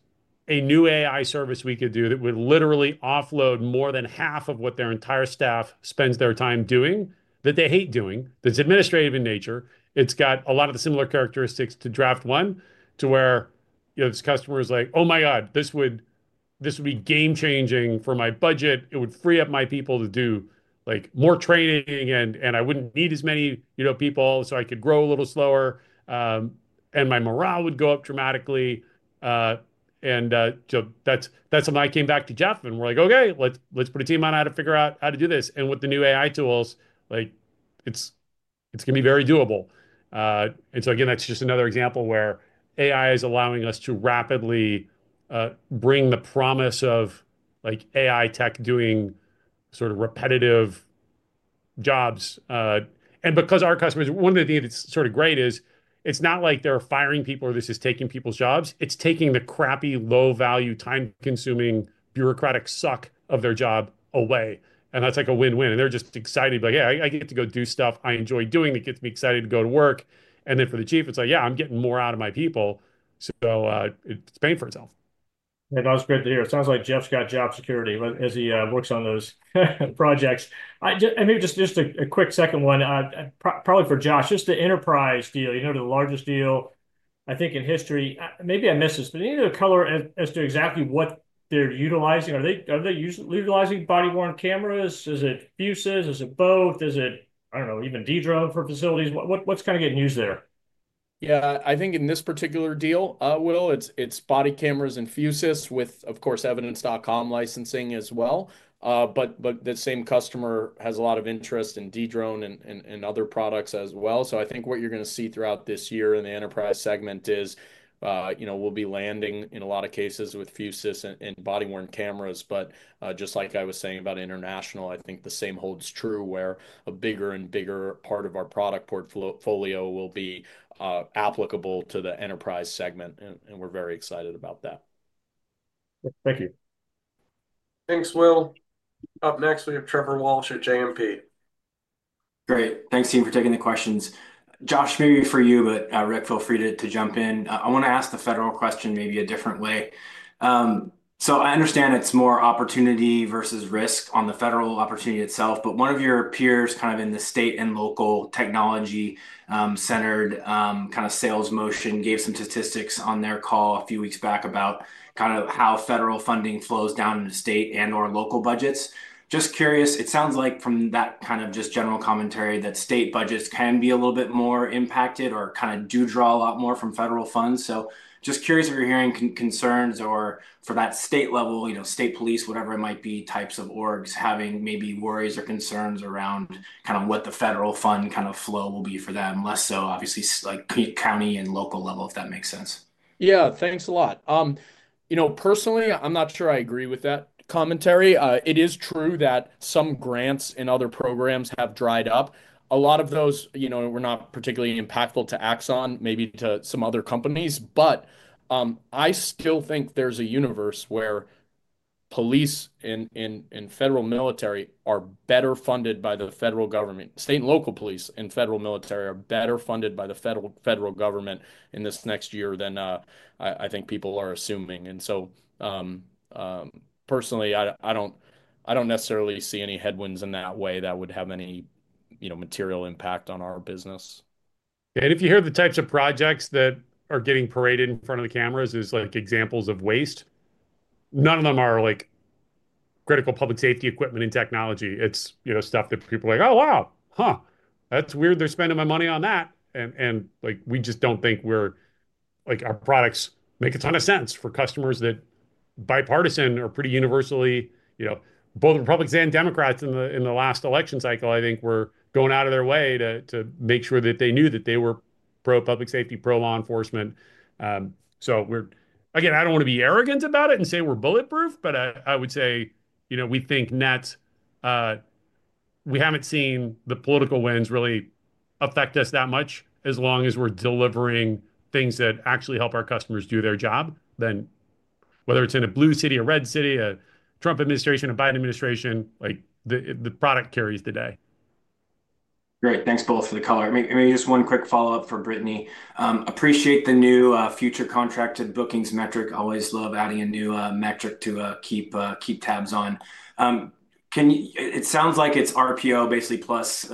a new AI service we could do that would literally offload more than half of what their entire staff spends their time doing that they hate doing. That's administrative in nature. It's got a lot of the similar characteristics to Draft One to where this customer is like, "Oh my God, this would be game-changing for my budget. It would free up my people to do like more training. And I wouldn't need as many, you know, people so I could grow a little slower. And my morale would go up dramatically." And so that's when I came back to Jeff and we're like, "Okay, let's put a team on how to figure out how to do this." And with the new AI tools, like it's going to be very doable. And so again, that's just another example where AI is allowing us to rapidly bring the promise of like AI tech doing sort of repetitive jobs. And because our customers, one of the things that's sort of great is it's not like they're firing people or this is taking people's jobs. It's taking the crappy, low-value, time-consuming, bureaucratic suck of their job away. And that's like a win-win. And they're just excited. Like, "Yeah, I get to go do stuff I enjoy doing. It gets me excited to go to work." And then for the chief, it's like, "Yeah, I'm getting more out of my people." So it's paying for itself. That was great to hear. It sounds like Jeff's got job security as he works on those projects, and maybe just a quick second one, probably for Josh, just the enterprise deal, you know, the largest deal I think in history. Maybe I missed this, but any other color as to exactly what they're utilizing? Are they utilizing body-worn cameras? Is it Fusus? Is it both? Is it, I don't know, even Dedrone for facilities? What's kind of getting used there? Yeah, I think in this particular deal, Will, it's body cameras and Fusus with, of course, Evidence.com licensing as well. But the same customer has a lot of interest in Dedrone and other products as well. So I think what you're going to see throughout this year in the enterprise segment is, you know, we'll be landing in a lot of cases with Fusus and body-worn cameras. But just like I was saying about international, I think the same holds true where a bigger and bigger part of our product portfolio will be applicable to the enterprise segment. And we're very excited about that. Thank you. Thanks, Will. Up next, we have Trevor Walsh at JMP. Great. Thanks, team, for taking the questions. Josh, maybe for you, but Rick, feel free to jump in. I want to ask the federal question maybe a different way. So I understand it's more opportunity versus risk on the federal opportunity itself. But one of your peers kind of in the state and local technology-centered kind of sales motion gave some statistics on their call a few weeks back about kind of how federal funding flows down into state and/or local budgets. Just curious, it sounds like from that kind of just general commentary that state budgets can be a little bit more impacted or kind of do draw a lot more from federal funds. So, just curious if you're hearing concerns or, for that state level, you know, state police, whatever it might be, types of orgs having maybe worries or concerns around kind of what the federal fund kind of flow will be for them, less so, obviously, like county and local level, if that makes sense. Yeah, thanks a lot. You know, personally, I'm not sure I agree with that commentary. It is true that some grants and other programs have dried up. A lot of those, you know, were not particularly impactful to Axon, maybe to some other companies. But I still think there's a universe where police and federal military are better funded by the federal government. State and local police and federal military are better funded by the federal government in this next year than I think people are assuming. And so personally, I don't necessarily see any headwinds in that way that would have any, you know, material impact on our business. And if you hear the types of projects that are getting paraded in front of the cameras as like examples of waste, none of them are like critical public safety equipment and technology. It's, you know, stuff that people are like, "Oh, wow, huh. That's weird. They're spending my money on that." And like we just don't think we're like our products make a ton of sense for customers that's bipartisan or pretty universally, you know, both Republicans and Democrats in the last election cycle, I think were going out of their way to make sure that they knew that they were pro-public safety, pro-law enforcement. So we're, again, I don't want to be arrogant about it and say we're bulletproof, but I would say, you know, we think net we haven't seen the political winds really affect us that much as long as we're delivering things that actually help our customers do their job, then whether it's in a blue city, a red city, a Trump administration, a Biden administration, like the product carries the day. Great. Thanks both for the color. Maybe just one quick follow-up for Brittany. Appreciate the new future contracted bookings metric. Always love adding a new metric to keep tabs on. It sounds like it's RPO, basically plus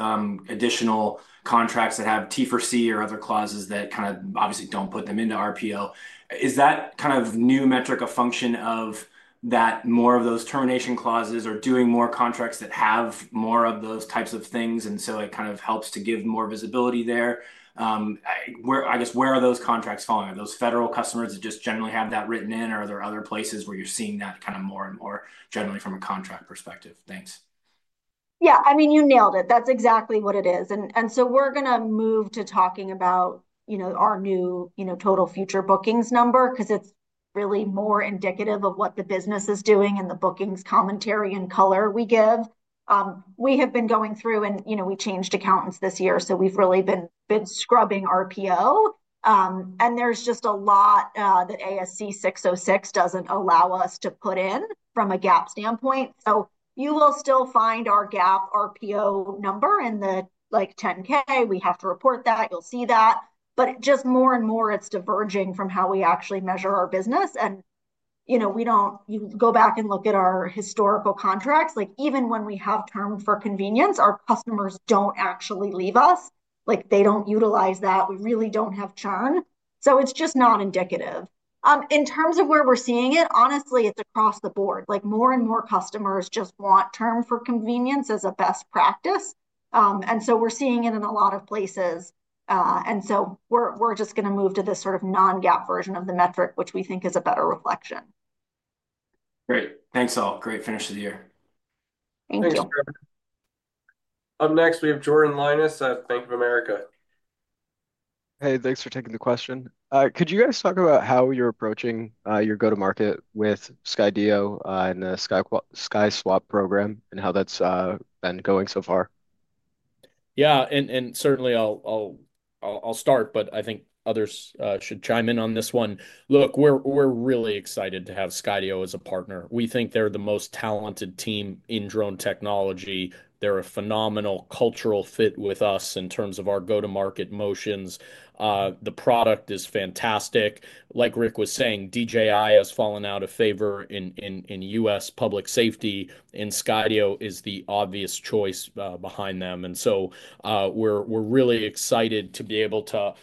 additional contracts that have T4C or other clauses that kind of obviously don't put them into RPO. Is that kind of new metric a function of that more of those termination clauses or doing more contracts that have more of those types of things? And so it kind of helps to give more visibility there. I guess where are those contracts falling? Are those federal customers that just generally have that written in, or are there other places where you're seeing that kind of more and more generally from a contract perspective? Thanks. Yeah, I mean, you nailed it. That's exactly what it is. And so we're going to move to talking about, you know, our new, you know, total future bookings number because it's really more indicative of what the business is doing and the bookings commentary and color we give. We have been going through, and you know, we changed accountants this year. So we've really been scrubbing RPO. And there's just a lot that ASC 606 doesn't allow us to put in from a GAAP standpoint. So you will still find our GAAP RPO number in the like 10-K. We have to report that. You'll see that. But just more and more, it's diverging from how we actually measure our business. And you know, we don't go back and look at our historical contracts. Like even when we have term for convenience, our customers don't actually leave us. Like they don't utilize that. We really don't have churn. So it's just not indicative. In terms of where we're seeing it, honestly, it's across the board. Like more and more customers just want Term for Convenience as a best practice. And so we're seeing it in a lot of places. And so we're just going to move to this sort of non-GAAP version of the metric, which we think is a better reflection. Great. Thanks all. Great finish of the year. Thank you. Thanks, Trevor. Up next, we have Jordan Lyonnais at Bank of America. Hey, thanks for taking the question. Could you guys talk about how you're approaching your go-to-market with Skydio and the SkySwap program and how that's been going so far? Yeah, and certainly I'll start, but I think others should chime in on this one. Look, we're really excited to have Skydio as a partner. We think they're the most talented team in drone technology. They're a phenomenal cultural fit with us in terms of our go-to-market motions. The product is fantastic. Like Rick was saying, DJI has fallen out of favor in U.S. public safety. And Skydio is the obvious choice behind them. And so we're really excited to be able to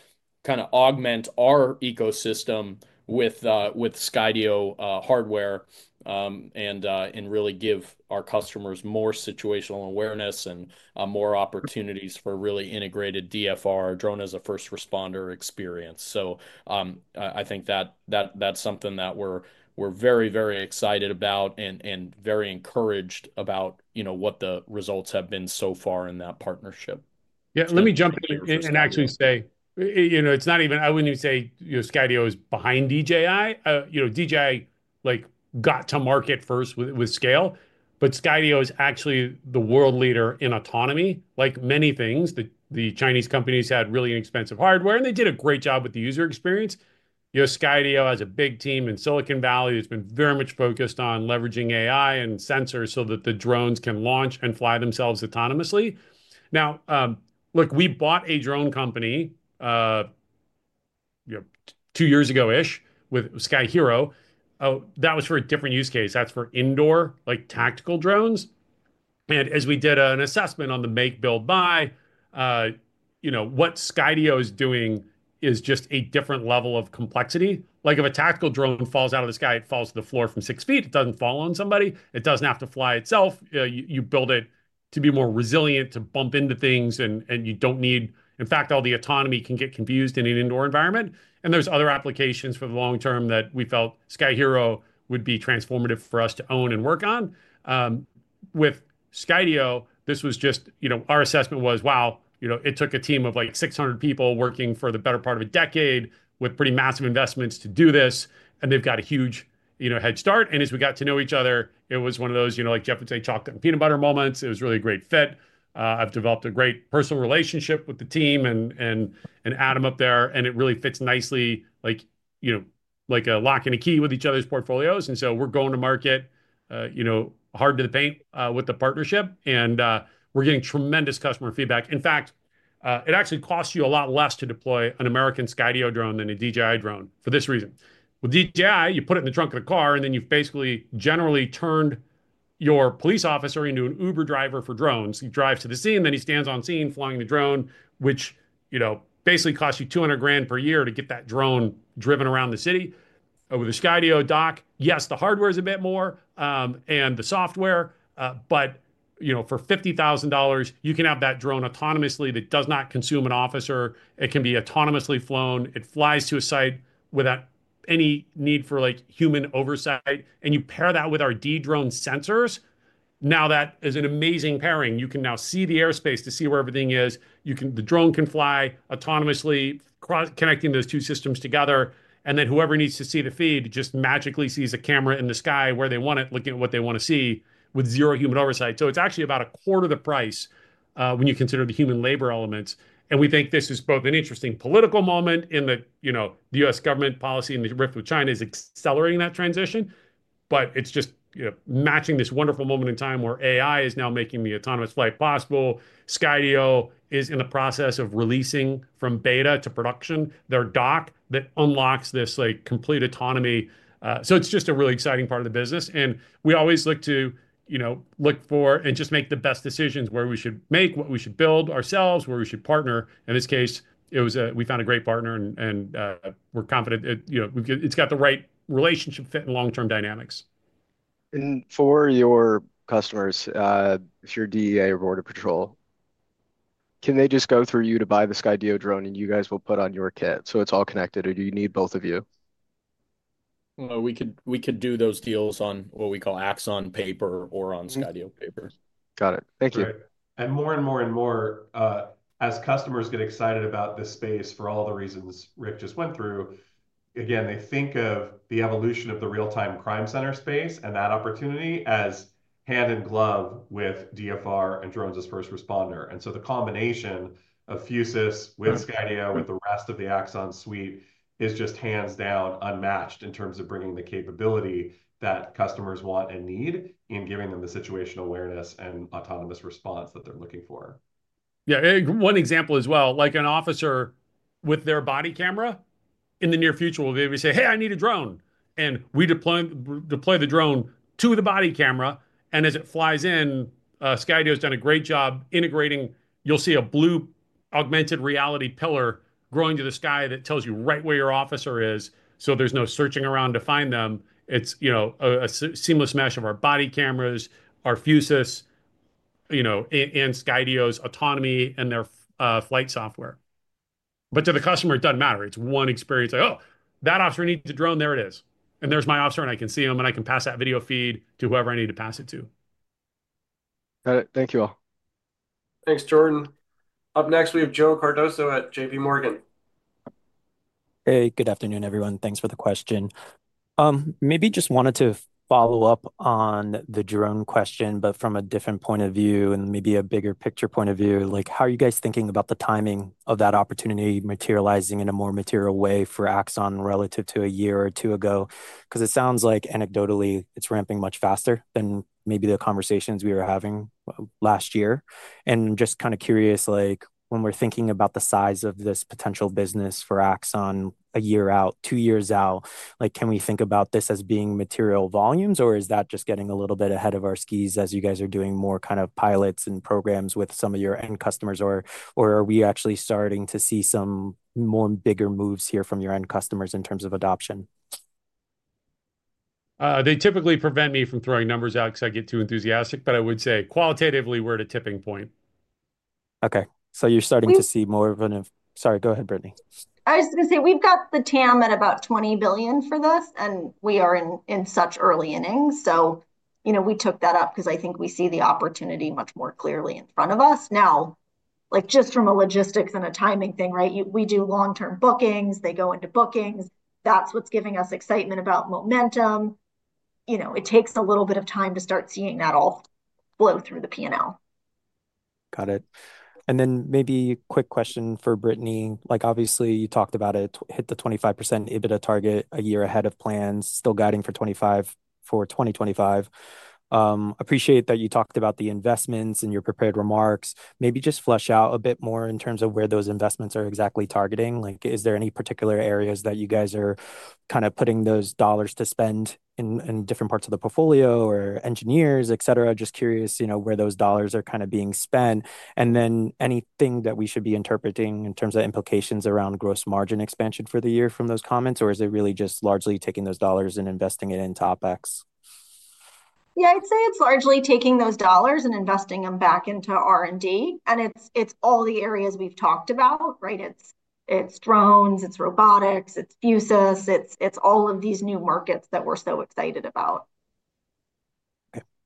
kind of augment our ecosystem with Skydio hardware and really give our customers more situational awareness and more opportunities for really integrated DFR, drone as a first responder experience. So I think that that's something that we're very, very excited about and very encouraged about, you know, what the results have been so far in that partnership. Yeah. Let me jump in and actually say, you know, it's not even I wouldn't even say, you know, Skydio is behind DJI. You know, DJI like got to market first with scale, but Skydio is actually the world leader in autonomy. Like many things, the Chinese companies had really inexpensive hardware, and they did a great job with the user experience. You know, Skydio has a big team in Silicon Valley. It's been very much focused on leveraging AI and sensors so that the drones can launch and fly themselves autonomously. Now, look, we bought a drone company two years ago-ish with Sky-Hero. That was for a different use case. That's for indoor, like tactical drones. And as we did an assessment on the make, build, buy, you know, what Skydio is doing is just a different level of complexity. Like if a tactical drone falls out of the sky, it falls to the floor from six feet. It doesn't fall on somebody. It doesn't have to fly itself. You build it to be more resilient to bump into things, and you don't need, in fact, all the autonomy can get confused in an indoor environment. And there's other applications for the long term that we felt Sky-Hero would be transformative for us to own and work on. With Skydio, this was just, you know, our assessment was, wow, you know, it took a team of like 600 people working for the better part of a decade with pretty massive investments to do this. And they've got a huge, you know, head start. And as we got to know each other, it was one of those, you know, like Jeff would say, chocolate and peanut butter moments. It was really a great fit. I've developed a great personal relationship with the team and Adam up there, and it really fits nicely, like, you know, like a lock and a key with each other's portfolios, and so we're going to market, you know, hard to the paint with the partnership, and we're getting tremendous customer feedback. In fact, it actually costs you a lot less to deploy an American Skydio drone than a DJI drone for this reason. With DJI, you put it in the trunk of the car, and then you've basically generally turned your police officer into an Uber driver for drones. He drives to the scene, then he stands on scene flying the drone, which, you know, basically costs you $200,000 per year to get that drone driven around the city. With a Skydio Dock, yes, the hardware is a bit more and the software, but, you know, for $50,000, you can have that drone autonomously that does not consume an officer. It can be autonomously flown. It flies to a site without any need for like human oversight. And you pair that with our drone sensors. Now that is an amazing pairing. You can now see the airspace to see where everything is. You can, the drone can fly autonomously, connecting those two systems together. And then whoever needs to see the feed just magically sees a camera in the sky where they want it, looking at what they want to see with zero human oversight. So it's actually about a quarter of the price when you consider the human labor elements. And we think this is both an interesting political moment in the, you know, the U.S. Government policy and the rift with China is accelerating that transition. But it's just, you know, matching this wonderful moment in time where AI is now making the autonomous flight possible. Skydio is in the process of releasing from beta to production their dock that unlocks this like complete autonomy. So it's just a really exciting part of the business. And we always look to, you know, look for and just make the best decisions where we should make, what we should build ourselves, where we should partner. In this case, it was a, we found a great partner and we're confident that, you know, it's got the right relationship fit and long-term dynamics. And for your customers, if you're DEA or Border Patrol, can they just go through you to buy the Skydio drone and you guys will put on your kit? So it's all connected. Do you need both of you? We could do those deals on what we call Axon paper or on Skydio paper. Got it. Thank you. And more and more and more, as customers get excited about this space for all the reasons Rick just went through, again, they think of the evolution of the real-time crime center space and that opportunity as hand in glove with DFR and drones as first responder. And so the combination of Fusus with Skydio with the rest of the Axon suite is just hands down unmatched in terms of bringing the capability that customers want and need in giving them the situational awareness and autonomous response that they're looking for. Yeah, one example as well, like an officer with their body camera in the near future will maybe say, "Hey, I need a drone." And we deploy the drone to the body camera. And as it flies in, Skydio has done a great job integrating. You'll see a blue augmented reality pillar growing to the sky that tells you right where your officer is. So there's no searching around to find them. It's, you know, a seamless mesh of our body cameras, our Fusus, you know, and Skydio's autonomy and their flight software. But to the customer, it doesn't matter. It's one experience. Like, "Oh, that officer needs a drone. There it is. And there's my officer and I can see him and I can pass that video feed to whoever I need to pass it to. Got it. Thank you all. Thanks, Jordan. Up next, we have Joe Cardoso at JPMorgan. Hey, good afternoon, everyone. Thanks for the question. Maybe just wanted to follow up on the drone question, but from a different point of view and maybe a bigger picture point of view, like how are you guys thinking about the timing of that opportunity materializing in a more material way for Axon relative to a year or two ago? Because it sounds like anecdotally it's ramping much faster than maybe the conversations we were having last year. And I'm just kind of curious, like when we're thinking about the size of this potential business for Axon a year out, two years out, like can we think about this as being material volumes or is that just getting a little bit ahead of our skis as you guys are doing more kind of pilots and programs with some of your end customers or are we actually starting to see some more bigger moves here from your end customers in terms of adoption? They typically prevent me from throwing numbers out because I get too enthusiastic, but I would say qualitatively we're at a tipping point. Okay. So you're starting to see more of an, sorry, go ahead, Brittany. I was going to say we've got the TAM at about $20 billion for this and we are in such early innings. So, you know, we took that up because I think we see the opportunity much more clearly in front of us. Now, like just from a logistics and a timing thing, right? We do long-term bookings. They go into bookings. That's what's giving us excitement about momentum. You know, it takes a little bit of time to start seeing that all flow through the P&L. Got it. And then maybe a quick question for Brittany. Like obviously you talked about it, hit the 25% EBITDA target a year ahead of plans, still guiding for 25% for 2025. Appreciate that you talked about the investments and your prepared remarks. Maybe just flesh out a bit more in terms of where those investments are exactly targeting. Like is there any particular areas that you guys are kind of putting those dollars to spend in different parts of the portfolio or engineers, et cetera? Just curious, you know, where those dollars are kind of being spent. And then anything that we should be interpreting in terms of implications around gross margin expansion for the year from those comments or is it really just largely taking those dollars and investing it into OpEx? Yeah, I'd say it's largely taking those dollars and investing them back into R&D. And it's all the areas we've talked about, right? It's drones, it's robotics, it's Fusus, it's all of these new markets that we're so excited about.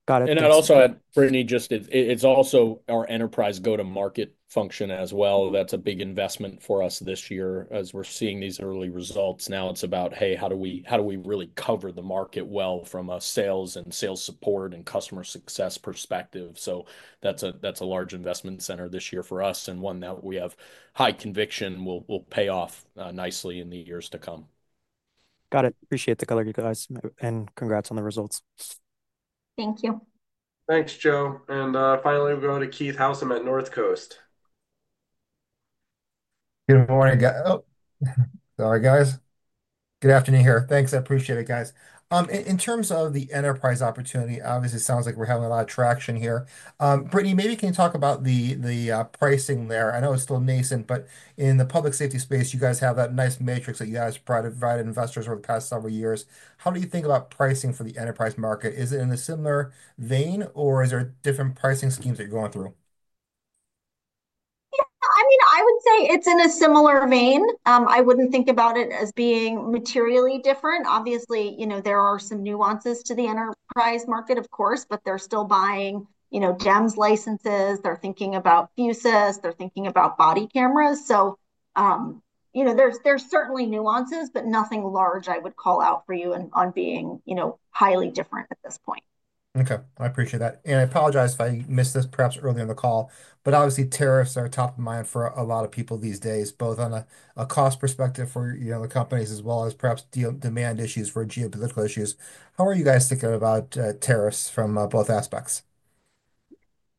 Got it. And I'd also add, Brittany, just it's also our enterprise go-to-market function as well. That's a big investment for us this year as we're seeing these early results. Now it's about, hey, how do we really cover the market well from a sales and sales support and customer success perspective? So that's a large investment center this year for us and one that we have high conviction will pay off nicely in the years to come. Got it. Appreciate the color, you guys. And congrats on the results. Thank you. Thanks, Joe. And finally, we'll go to Keith Housum at Northcoast. Good morning. Sorry, guys. Good afternoon here. Thanks. I appreciate it, guys. In terms of the enterprise opportunity, obviously it sounds like we're having a lot of traction here. Brittany, maybe can you talk about the pricing there? I know it's still nascent, but in the public safety space, you guys have that nice matrix that you guys provided investors over the past several years. How do you think about pricing for the enterprise market? Is it in a similar vein or is there different pricing schemes that you're going through? Yeah, I mean, I would say it's in a similar vein. I wouldn't think about it as being materially different. Obviously, you know, there are some nuances to the enterprise market, of course, but they're still buying, you know, DEMS licenses. They're thinking about Fusus. They're thinking about body cameras. So, you know, there's certainly nuances, but nothing large I would call out for you on being, you know, highly different at this point. Okay. I appreciate that. And I apologize if I missed this perhaps early in the call, but obviously tariffs are top of mind for a lot of people these days, both on a cost perspective for, you know, the companies as well as perhaps demand issues for geopolitical issues. How are you guys thinking about tariffs from both aspects?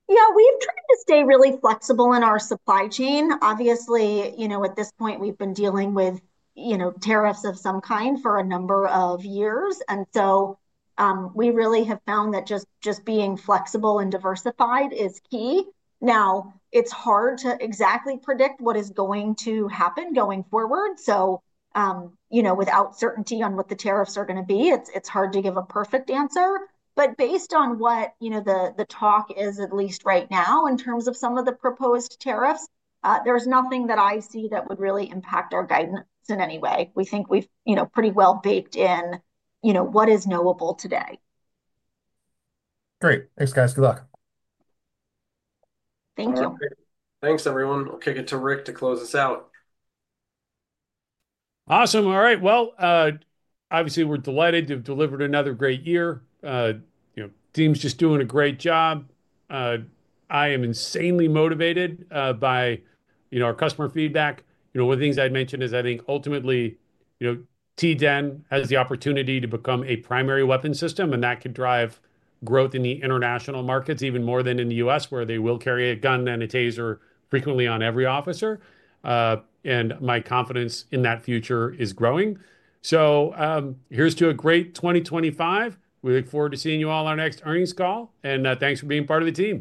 Yeah, we've tried to stay really flexible in our supply chain. Obviously, you know, at this point, we've been dealing with, you know, tariffs of some kind for a number of years. And so we really have found that just being flexible and diversified is key. Now, it's hard to exactly predict what is going to happen going forward. So, you know, without certainty on what the tariffs are going to be, it's hard to give a perfect answer. But based on what, you know, the talk is at least right now in terms of some of the proposed tariffs, there's nothing that I see that would really impact our guidance in any way. We think we've, you know, pretty well baked in, you know, what is knowable today. Great. Thanks, guys. Good luck. Thank you. Thanks, everyone. I'll kick it to Rick to close us out. Awesome. All right, well, obviously we're delighted to have delivered another great year. You know, team's just doing a great job. I am insanely motivated by, you know, our customer feedback. You know, one of the things I'd mentioned is I think ultimately, you know, T10 has the opportunity to become a primary weapon system, and that could drive growth in the international markets even more than in the U.S. where they will carry a gun and a Taser frequently on every officer, and my confidence in that future is growing, so here's to a great 2025. We look forward to seeing you all on our next earnings call, and thanks for being part of the team.